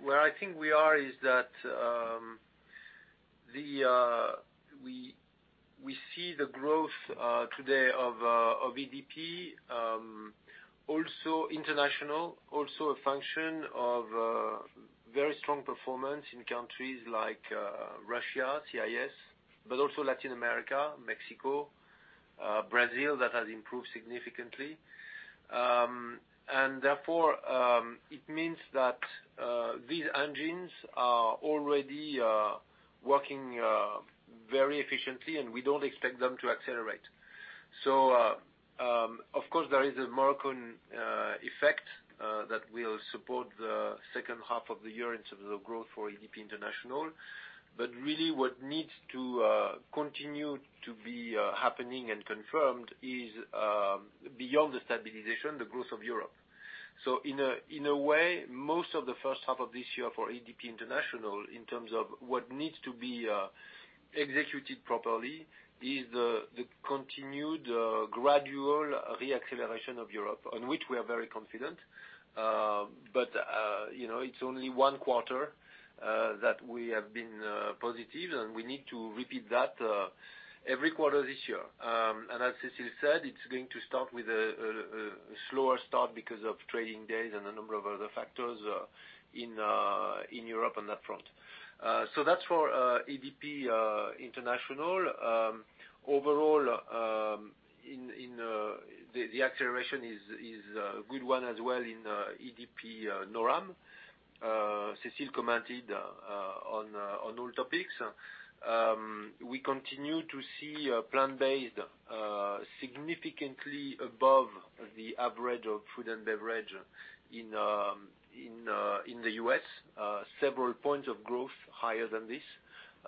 Where I think we are is that we see the growth today of EDP, also EDP International, also a function of very strong performance in countries like Russia, CIS, but also Latin America, Mexico, Brazil, that has improved significantly. It means that these engines are already working very efficiently, and we don't expect them to accelerate. Of course there is a Moroccan effect, that will support the second half of the year in terms of the growth for EDP International. Really what needs to continue to be happening and confirmed is, beyond the stabilization, the growth of Europe. In a way, most of the first half of this year for EDP International, in terms of what needs to be executed properly, is the continued gradual re-acceleration of Europe, on which we are very confident. It's only one quarter that we have been positive, and we need to repeat that every quarter this year. As Cécile said, it's going to start with a slower start because of trading days and a number of other factors in Europe on that front. That's for EDP International. Overall, the acceleration is a good one as well in EDP Noram. Cécile commented on all topics. We continue to see plant-based significantly above the average of food and beverage in the U.S. Several points of growth higher than this,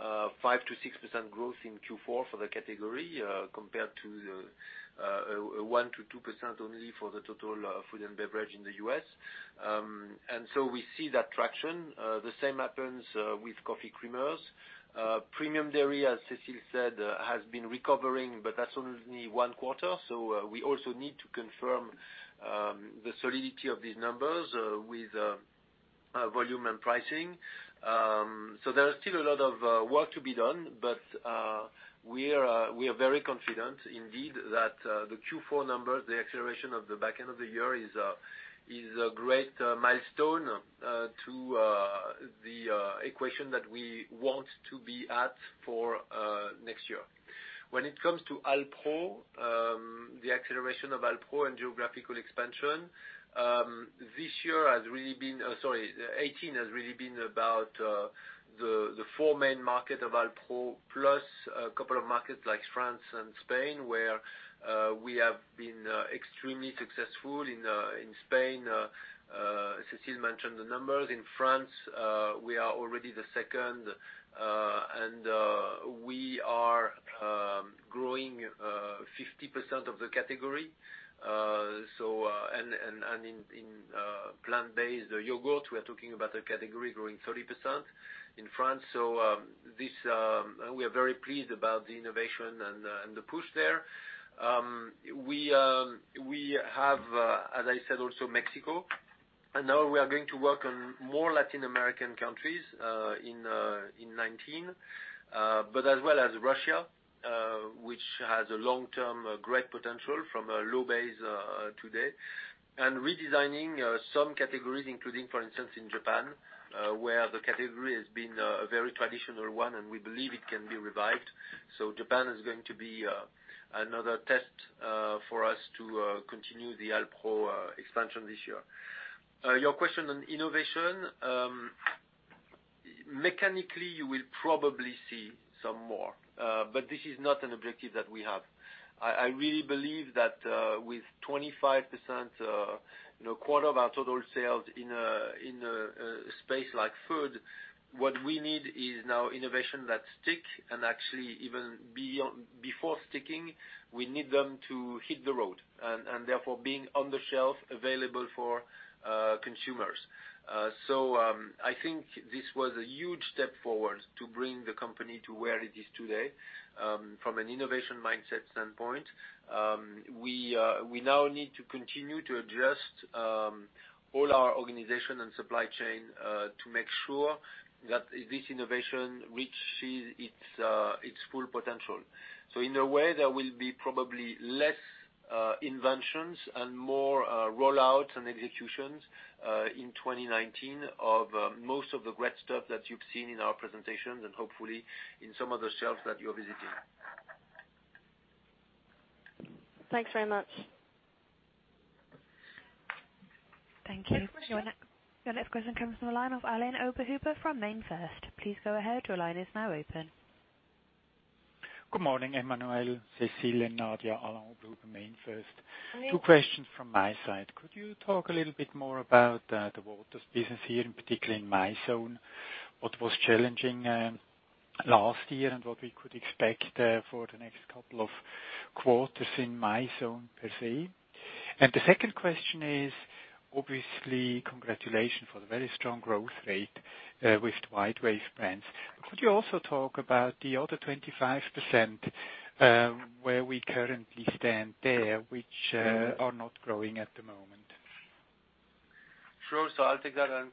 5%-6% growth in Q4 for the category, compared to 1%-2% only for the total food and beverage in the U.S. We see that traction. The same happens with coffee creamers. Premium dairy, as Cécile said, has been recovering, but that's only one quarter. We also need to confirm the solidity of these numbers with volume and pricing. There is still a lot of work to be done, but we are very confident indeed that the Q4 numbers, the acceleration of the back end of the year, is a great milestone to the equation that we want to be at for next year. When it comes to Alpro, the acceleration of Alpro and geographical expansion, 2018 has really been about the 4 main market of Alpro, plus a couple of markets like France and Spain, where we have been extremely successful in Spain. Cécile mentioned the numbers. In France, we are already the second, and we are growing 50% of the category. In plant-based yogurt, we are talking about a category growing 30% in France. We are very pleased about the innovation and the push there. We have, as I said, also Mexico, and now we are going to work on more Latin American countries in 2019. As well as Russia, which has a long-term great potential from a low base today. Redesigning some categories, including, for instance, in Japan, where the category has been a very traditional one, and we believe it can be revived. Japan is going to be another test for us to continue the Alpro expansion this year. Your question on innovation. Mechanically, you will probably see some more, but this is not an objective that we have. I really believe that with 25%, a quarter of our total sales in a space like food, what we need is now innovation that stick, and actually even before sticking, we need them to hit the road, and therefore being on the shelf available for consumers. I think this was a huge step forward to bring the company to where it is today, from an innovation mindset standpoint. We now need to continue to adjust all our organization and supply chain to make sure that this innovation reaches its full potential. In a way, there will be probably less inventions and more rollouts and executions in 2019 of most of the great stuff that you've seen in our presentations and hopefully in some of the shelves that you're visiting. Thanks very much. Thank you. Next question. Your next question comes from the line of Alain-Sebastian Oberhuber from MainFirst. Please go ahead, your line is now open. Good morning, Emmanuel, Cécile, and Nadia. Alain-Sebastian Oberhuber, MainFirst. Good morning. Two questions from my side. Could you talk a little bit more about the waters business here, and particularly in Mizone, what was challenging last year and what we could expect for the next couple of quarters in Mizone per se? The second question is, obviously, congratulations for the very strong growth rate with WhiteWave brands. Could you also talk about the other 25% where we currently stand there, which are not growing at the moment? Sure. I'll take that on.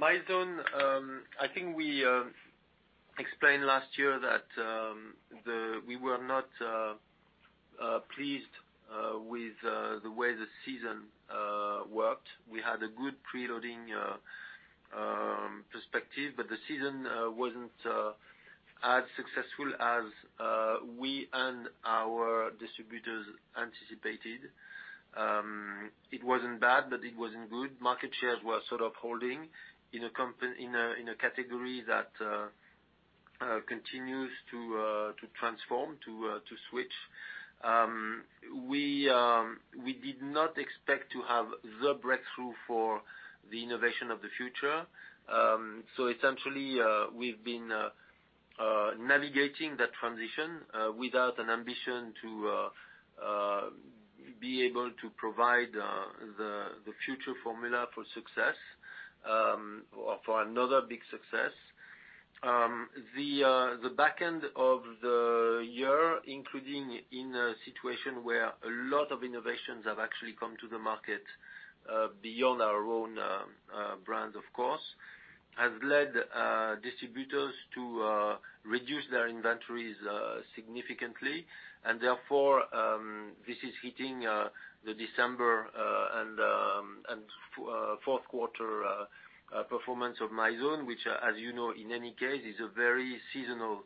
Mizone, I think we explained last year that we were not pleased with the way the season worked. We had a good pre-loading perspective, but the season wasn't as successful as we and our distributors anticipated. It wasn't bad, but it wasn't good. Market shares were sort of holding in a category that continues to transform, to switch. We did not expect to have the breakthrough for the innovation of the future. Essentially, we've been navigating that transition without an ambition to be able to provide the future formula for success or for another big success. The back end of the year, including in a situation where a lot of innovations have actually come to the market, beyond our own brand, of course, has led distributors to reduce their inventories significantly. Therefore, this is hitting the December and fourth quarter performance of Mizone, which as you know, in any case, is a very seasonal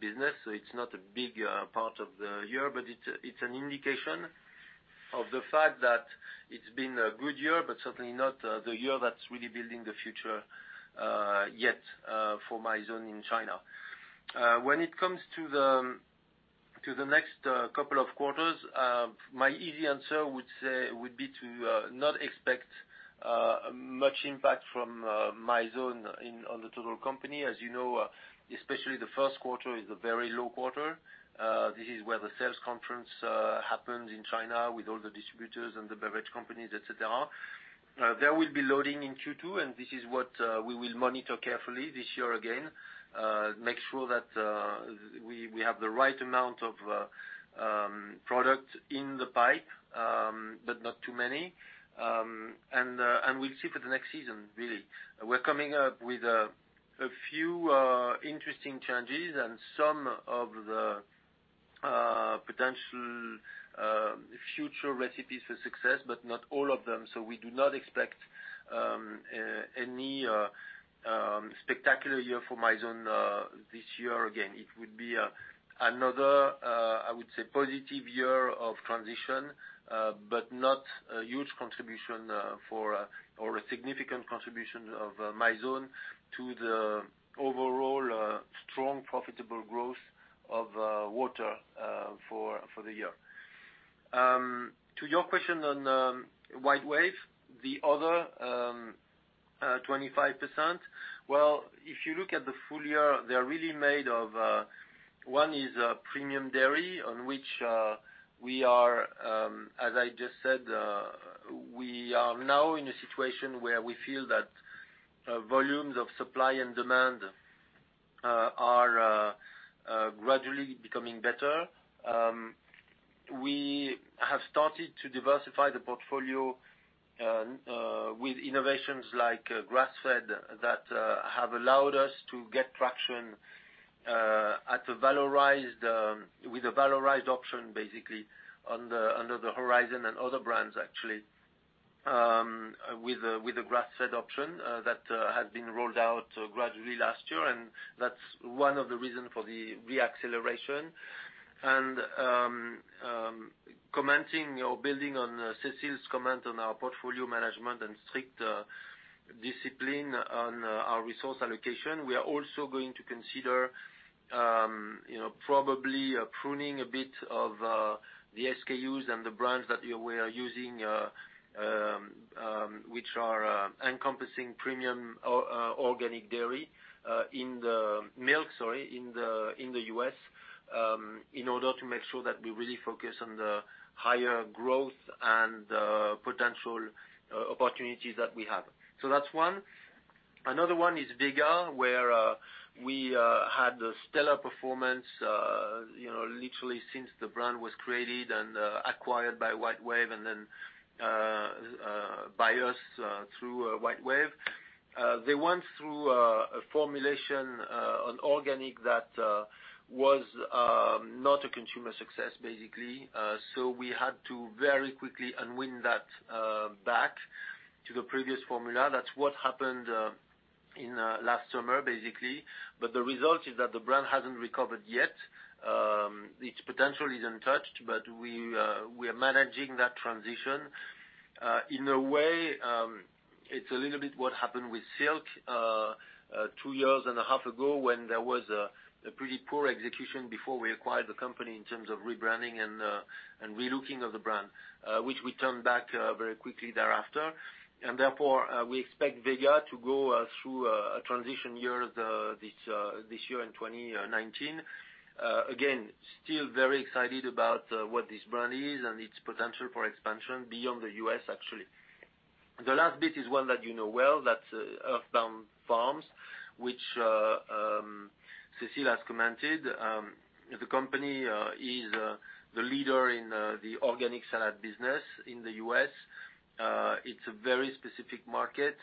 business. It's not a big part of the year. It's an indication of the fact that it's been a good year, but certainly not the year that's really building the future yet for Mizone in China. When it comes to the next couple of quarters, my easy answer would be to not expect much impact from Mizone on the total company. As you know, especially the first quarter is a very low quarter. This is where the sales conference happens in China with all the distributors and the beverage companies, et cetera. There will be loading in Q2. This is what we will monitor carefully this year again. Make sure that we have the right amount of product in the pipe, but not too many, and we'll see for the next season, really. We're coming up with a few interesting changes and some of the potential future recipes for success, but not all of them. We do not expect any spectacular year for Mizone this year. Again, it would be another, I would say, positive year of transition, but not a huge contribution or a significant contribution of Mizone to the overall strong, profitable growth of water for the year. To your question on WhiteWave, the other 25%. If you look at the full year, they are really made of, one, is premium dairy, on which we are, as I just said, we are now in a situation where we feel that volumes of supply and demand are gradually becoming better. We have started to diversify the portfolio with innovations like grass-fed that have allowed us to get traction with a valorized option, basically on the Horizon and other brands, actually, with a grass-fed option that has been rolled out gradually last year. That's one of the reason for the re-acceleration. Commenting or building on Cécile's comment on our portfolio management and strict discipline on our resource allocation, we are also going to consider probably pruning a bit of the SKUs and the brands that we are using which are encompassing premium organic dairy in the-- Milk, sorry, in the U.S., in order to make sure that we really focus on the higher growth and potential opportunities that we have. That's one. Another one is Vega, where we had a stellar performance literally since the brand was created and acquired by us through WhiteWave. They went through a formulation on organic that was not a consumer success, basically. We had to very quickly unwin that back to the previous formula. That's what happened last summer, basically. The result is that the brand hasn't recovered yet. Its potential is untouched, but we are managing that transition. In a way, it's a little bit what happened with Silk two years and a half ago, when there was a pretty poor execution before we acquired the company in terms of rebranding and relooking of the brand, which we turned back very quickly thereafter. Therefore, we expect Vega to go through a transition year this year in 2019. Again, still very excited about what this brand is and its potential for expansion beyond the U.S., actually. The last bit is one that you know well, that's Earthbound Farm, which Cécile has commented. The company is the leader in the organic salad business in the U.S. It's a very specific market,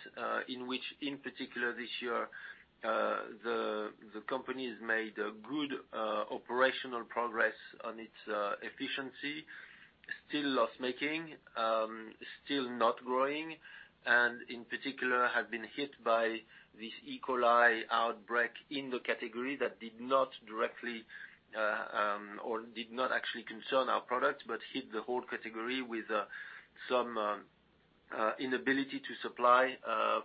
in which, in particular this year, the company has made good operational progress on its efficiency. Still loss-making, still not growing, and in particular, have been hit by this E. coli outbreak in the category that did not directly or did not actually concern our product, but hit the whole category with some inability to supply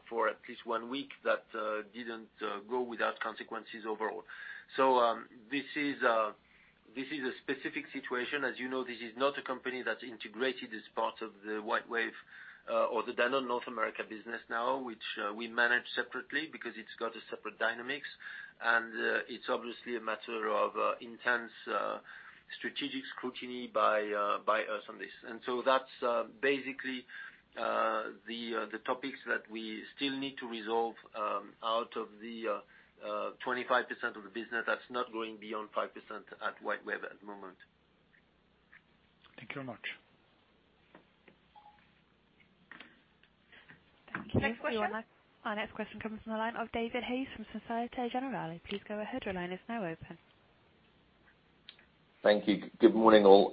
for at least one week that didn't go without consequences overall. This is a specific situation. As you know, this is not a company that's integrated as part of the WhiteWave or the Danone North America business now, which we manage separately because it's got separate dynamics. It's obviously a matter of intense strategic scrutiny by us on this. That's basically the topics that we still need to resolve out of the 25% of the business that's not growing beyond 5% at WhiteWave at the moment. Thank you very much. Thank you. Next question. Our next question comes from the line of David Hayes from Société Générale. Please go ahead. Your line is now open. Thank you. Good morning, all.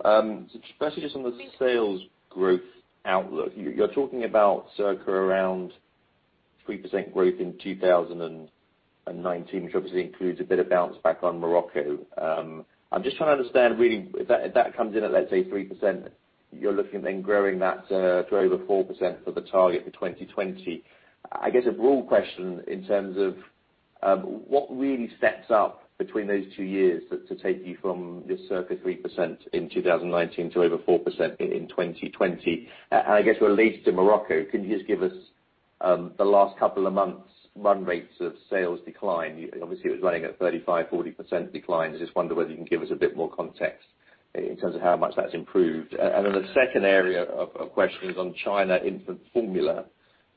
Especially just on the sales growth outlook. You are talking about circa around 3% growth in 2019, which obviously includes a bit of bounce back on Morocco. I am just trying to understand, really, if that comes in at, let's say 3%, you are looking then growing that to over 4% for the target for 2020. I guess a broad question in terms of what really steps up between those two years to take you from this circa 3% in 2019 to over 4% in 2020. I guess related to Morocco, can you just give us the last couple of months, run rates of sales decline? Obviously, it was running at 35%, 40% declines. I just wonder whether you can give us a bit more context in terms of how much that has improved. The second area of questions on China infant formula.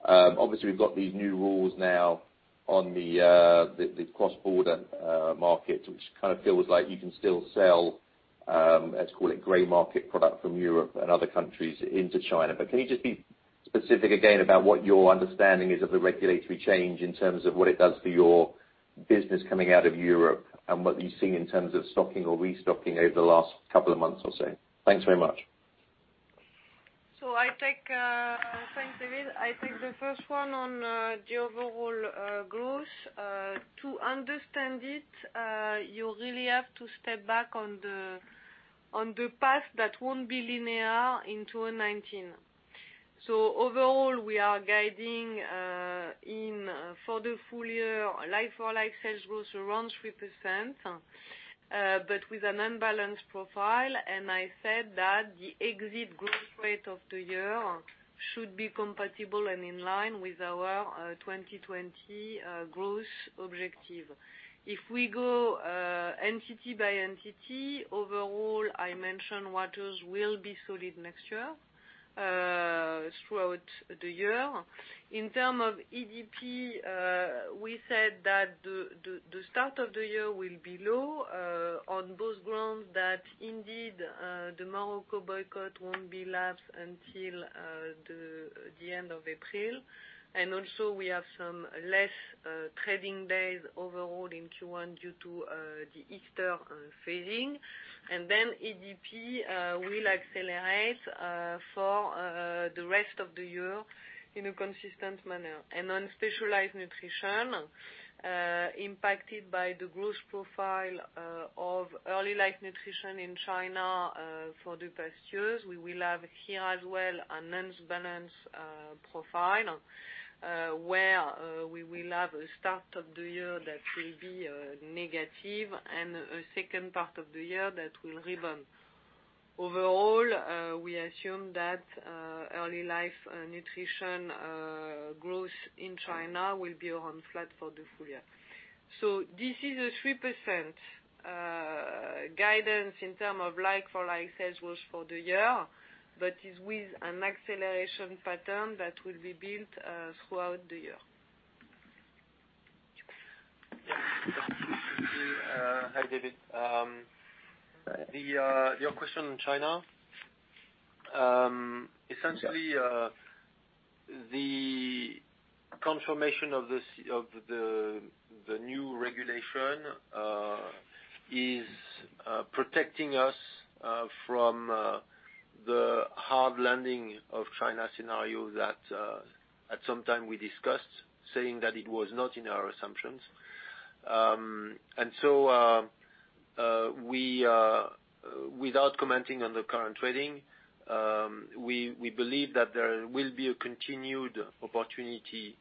Obviously, we have got these new rules now on the cross-border market, which kind of feels like you can still sell, let's call it gray market product from Europe and other countries into China. Can you just be specific again about what your understanding is of the regulatory change in terms of what it does for your business coming out of Europe and what you are seeing in terms of stocking or restocking over the last couple of months or so? Thanks very much. Thanks, David. I take the first one on the overall growth. To understand it, you really have to step back on the path that will not be linear in 2019. Overall, we are guiding for the full year, like-for-like sales growth around 3%, but with an unbalanced profile. I said that the exit growth rate of the year should be compatible and in line with our 2020 growth objective. If we go entity by entity, overall, I mentioned Waters will be solid next year, throughout the year. In term of EDP, we said that the start of the year will be low on both grounds that indeed, the Morocco boycott will not be lapsed until the end of April. Also, we have some less trading days overall in Q1 due to the Easter phasing. EDP will accelerate for the rest of the year in a consistent manner. On Specialized Nutrition, impacted by the growth profile of Early Life Nutrition in China for the past years, we will have here as well an unbalanced profile, where we will have a start of the year that will be negative and a second part of the year that will rebound. Overall, we assume that Early Life Nutrition growth in China will be around flat for the full year. This is a 3% guidance in terms of like-for-like sales for the year, but is with an acceleration pattern that will be built throughout the year. Yeah. Hi, David. Your question on China, essentially, the confirmation of the new regulation is protecting us from the hard landing of China scenario that at some time we discussed saying that it was not in our assumptions. Without commenting on the current trading, we believe that there will be a continued opportunity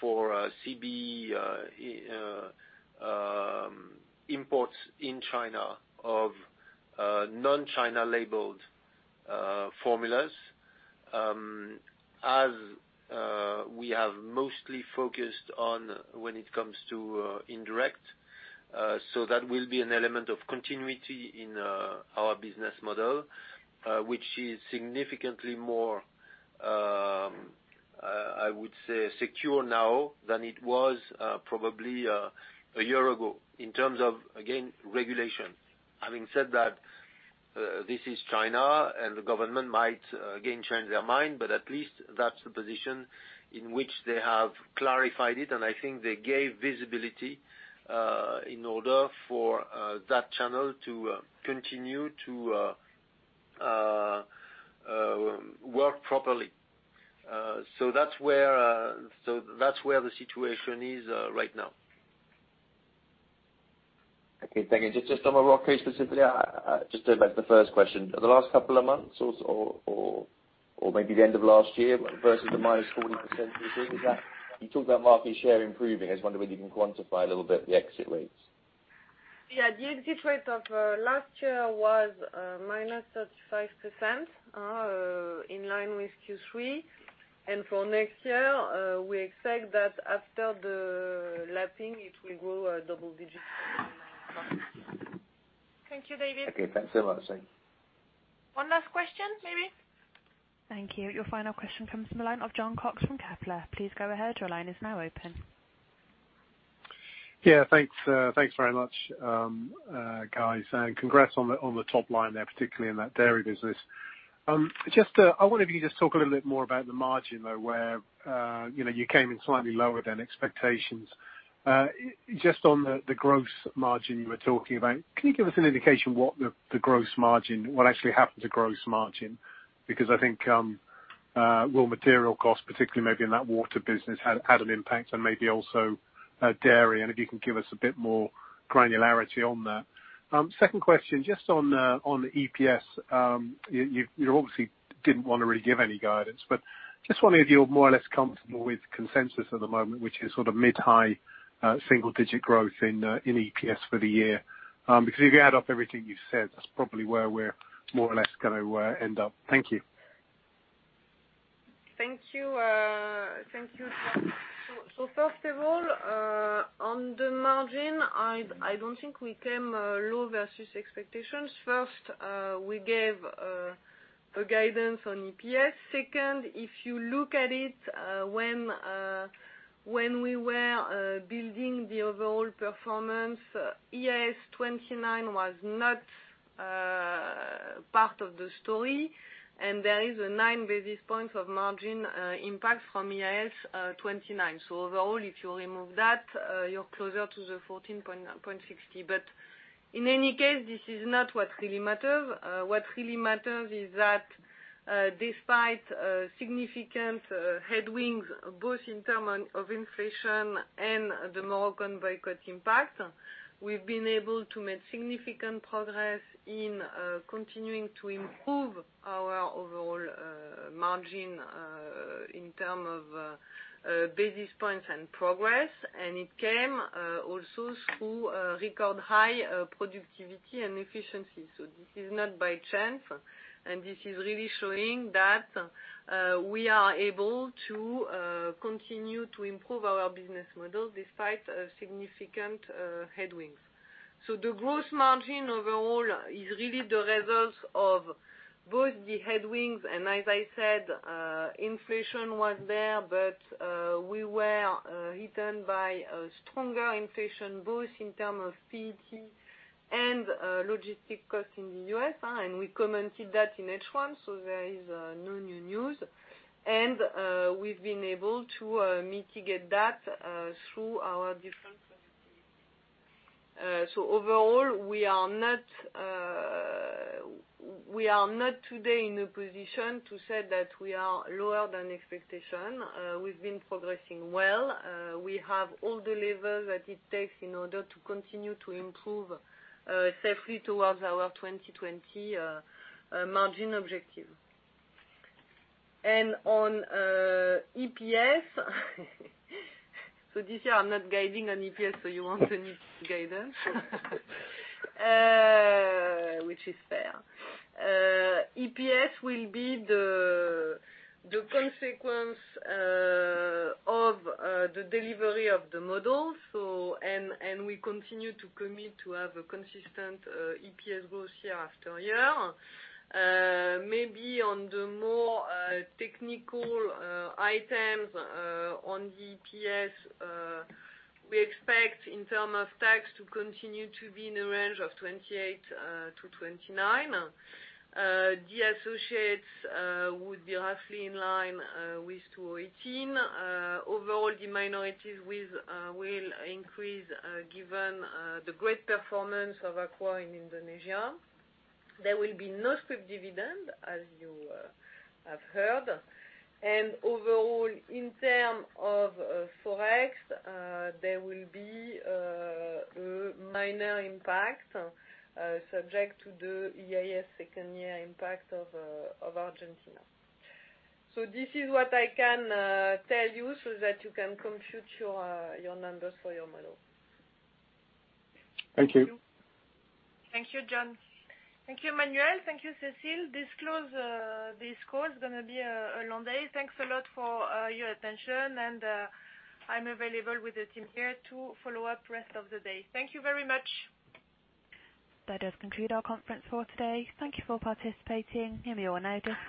for CBEC imports in China of non-China labeled formulas, as we have mostly focused on when it comes to indirect. That will be an element of continuity in our business model, which is significantly more, I would say, secure now than it was probably a year ago in terms of, again, regulation. Having said that, this is China and the government might again change their mind, but at least that's the position in which they have clarified it, and I think they gave visibility in order for that channel to continue to work properly. That's where the situation is right now. Okay, thank you. Just on Morocco specifically, just to go back to the first question. The last couple of months or maybe the end of last year versus the -40% you're doing. You talked about market share improving. I was wondering if you can quantify a little bit the exit rates. Yeah. The exit rate of last year was -35%, in line with Q3. For next year, we expect that after the lapping, it will grow a double digits. Thank you, David. Okay. Thanks a lot. Cécile. One last question, maybe. Thank you. Your final question comes from the line of Jon Cox from Kepler. Please go ahead. Your line is now open. Yeah, Thanks very much, guys, Congrats on the top line there, particularly in that dairy business. I wonder if you could just talk a little bit more about the margin, though, where you came in slightly lower than expectations. Just on the gross margin you were talking about, can you give us an indication what actually happened to gross margin? I think raw material costs, particularly maybe in that water business, had an impact and maybe also dairy. If you can give us a bit more granularity on that. Second question, just on EPS. You obviously didn't want to really give any guidance, but just wondering if you're more or less comfortable with consensus at the moment, which is mid-high, single-digit growth in EPS for the year. If you add up everything you've said, that's probably where we're more or less going to end up. Thank you. Thank you. Thank you, Jon. First of all, on the margin, I don't think we came low versus expectations. First, we gave a guidance on EPS. Second, if you look at it, when we were building the overall performance, IAS 29 was not part of the story, There is a nine basis points of margin impact from IAS 29. Overall, if you remove that, you're closer to the 14.60. In any case, this is not what really matters. What really matters is that despite significant headwinds, both in term of inflation and the Moroccan boycott impact, we've been able to make significant progress in continuing to improve our overall margin in term of basis points and progress. It came also through a record high productivity and efficiency. This is not by chance, and this is really showing that we are able to continue to improve our business model despite significant headwinds. The gross margin overall is really the result of both the headwinds. As I said, inflation was there, we were hit by a stronger inflation, both in term of PET and logistic cost in the U.S. We commented that in H1. There is no new news. We've been able to mitigate that through our different productivity. Overall, we are not today in a position to say that we are lower than expectation. We've been progressing well. We have all the levers that it takes in order to continue to improve safely towards our 2020 margin objective. On EPS, this year I'm not guiding on EPS, you won't need guidance. Which is fair. EPS will be the consequence of the delivery of the model. We continue to commit to have a consistent EPS growth year after year. Maybe on the more technical items on the EPS, we expect in term of tax to continue to be in a range of 28%-29%. The associates would be roughly in line with 2018. Overall, the minorities will increase, given the great performance of Aqua in Indonesia. There will be no scrip dividend, as you have heard. Overall, in term of Forex, there will be a minor impact, subject to the IAS second year impact of Argentina. This is what I can tell you so that you can compute your numbers for your model. Thank you. Thank you. Thank you, Jon. Thank you, Emmanuel. Thank you, Cécile. This calls going to be a long day. Thanks a lot for your attention. I'm available with the team here to follow up rest of the day. Thank you very much. That does conclude our conference for today. Thank you for participating. You may all now disconnect.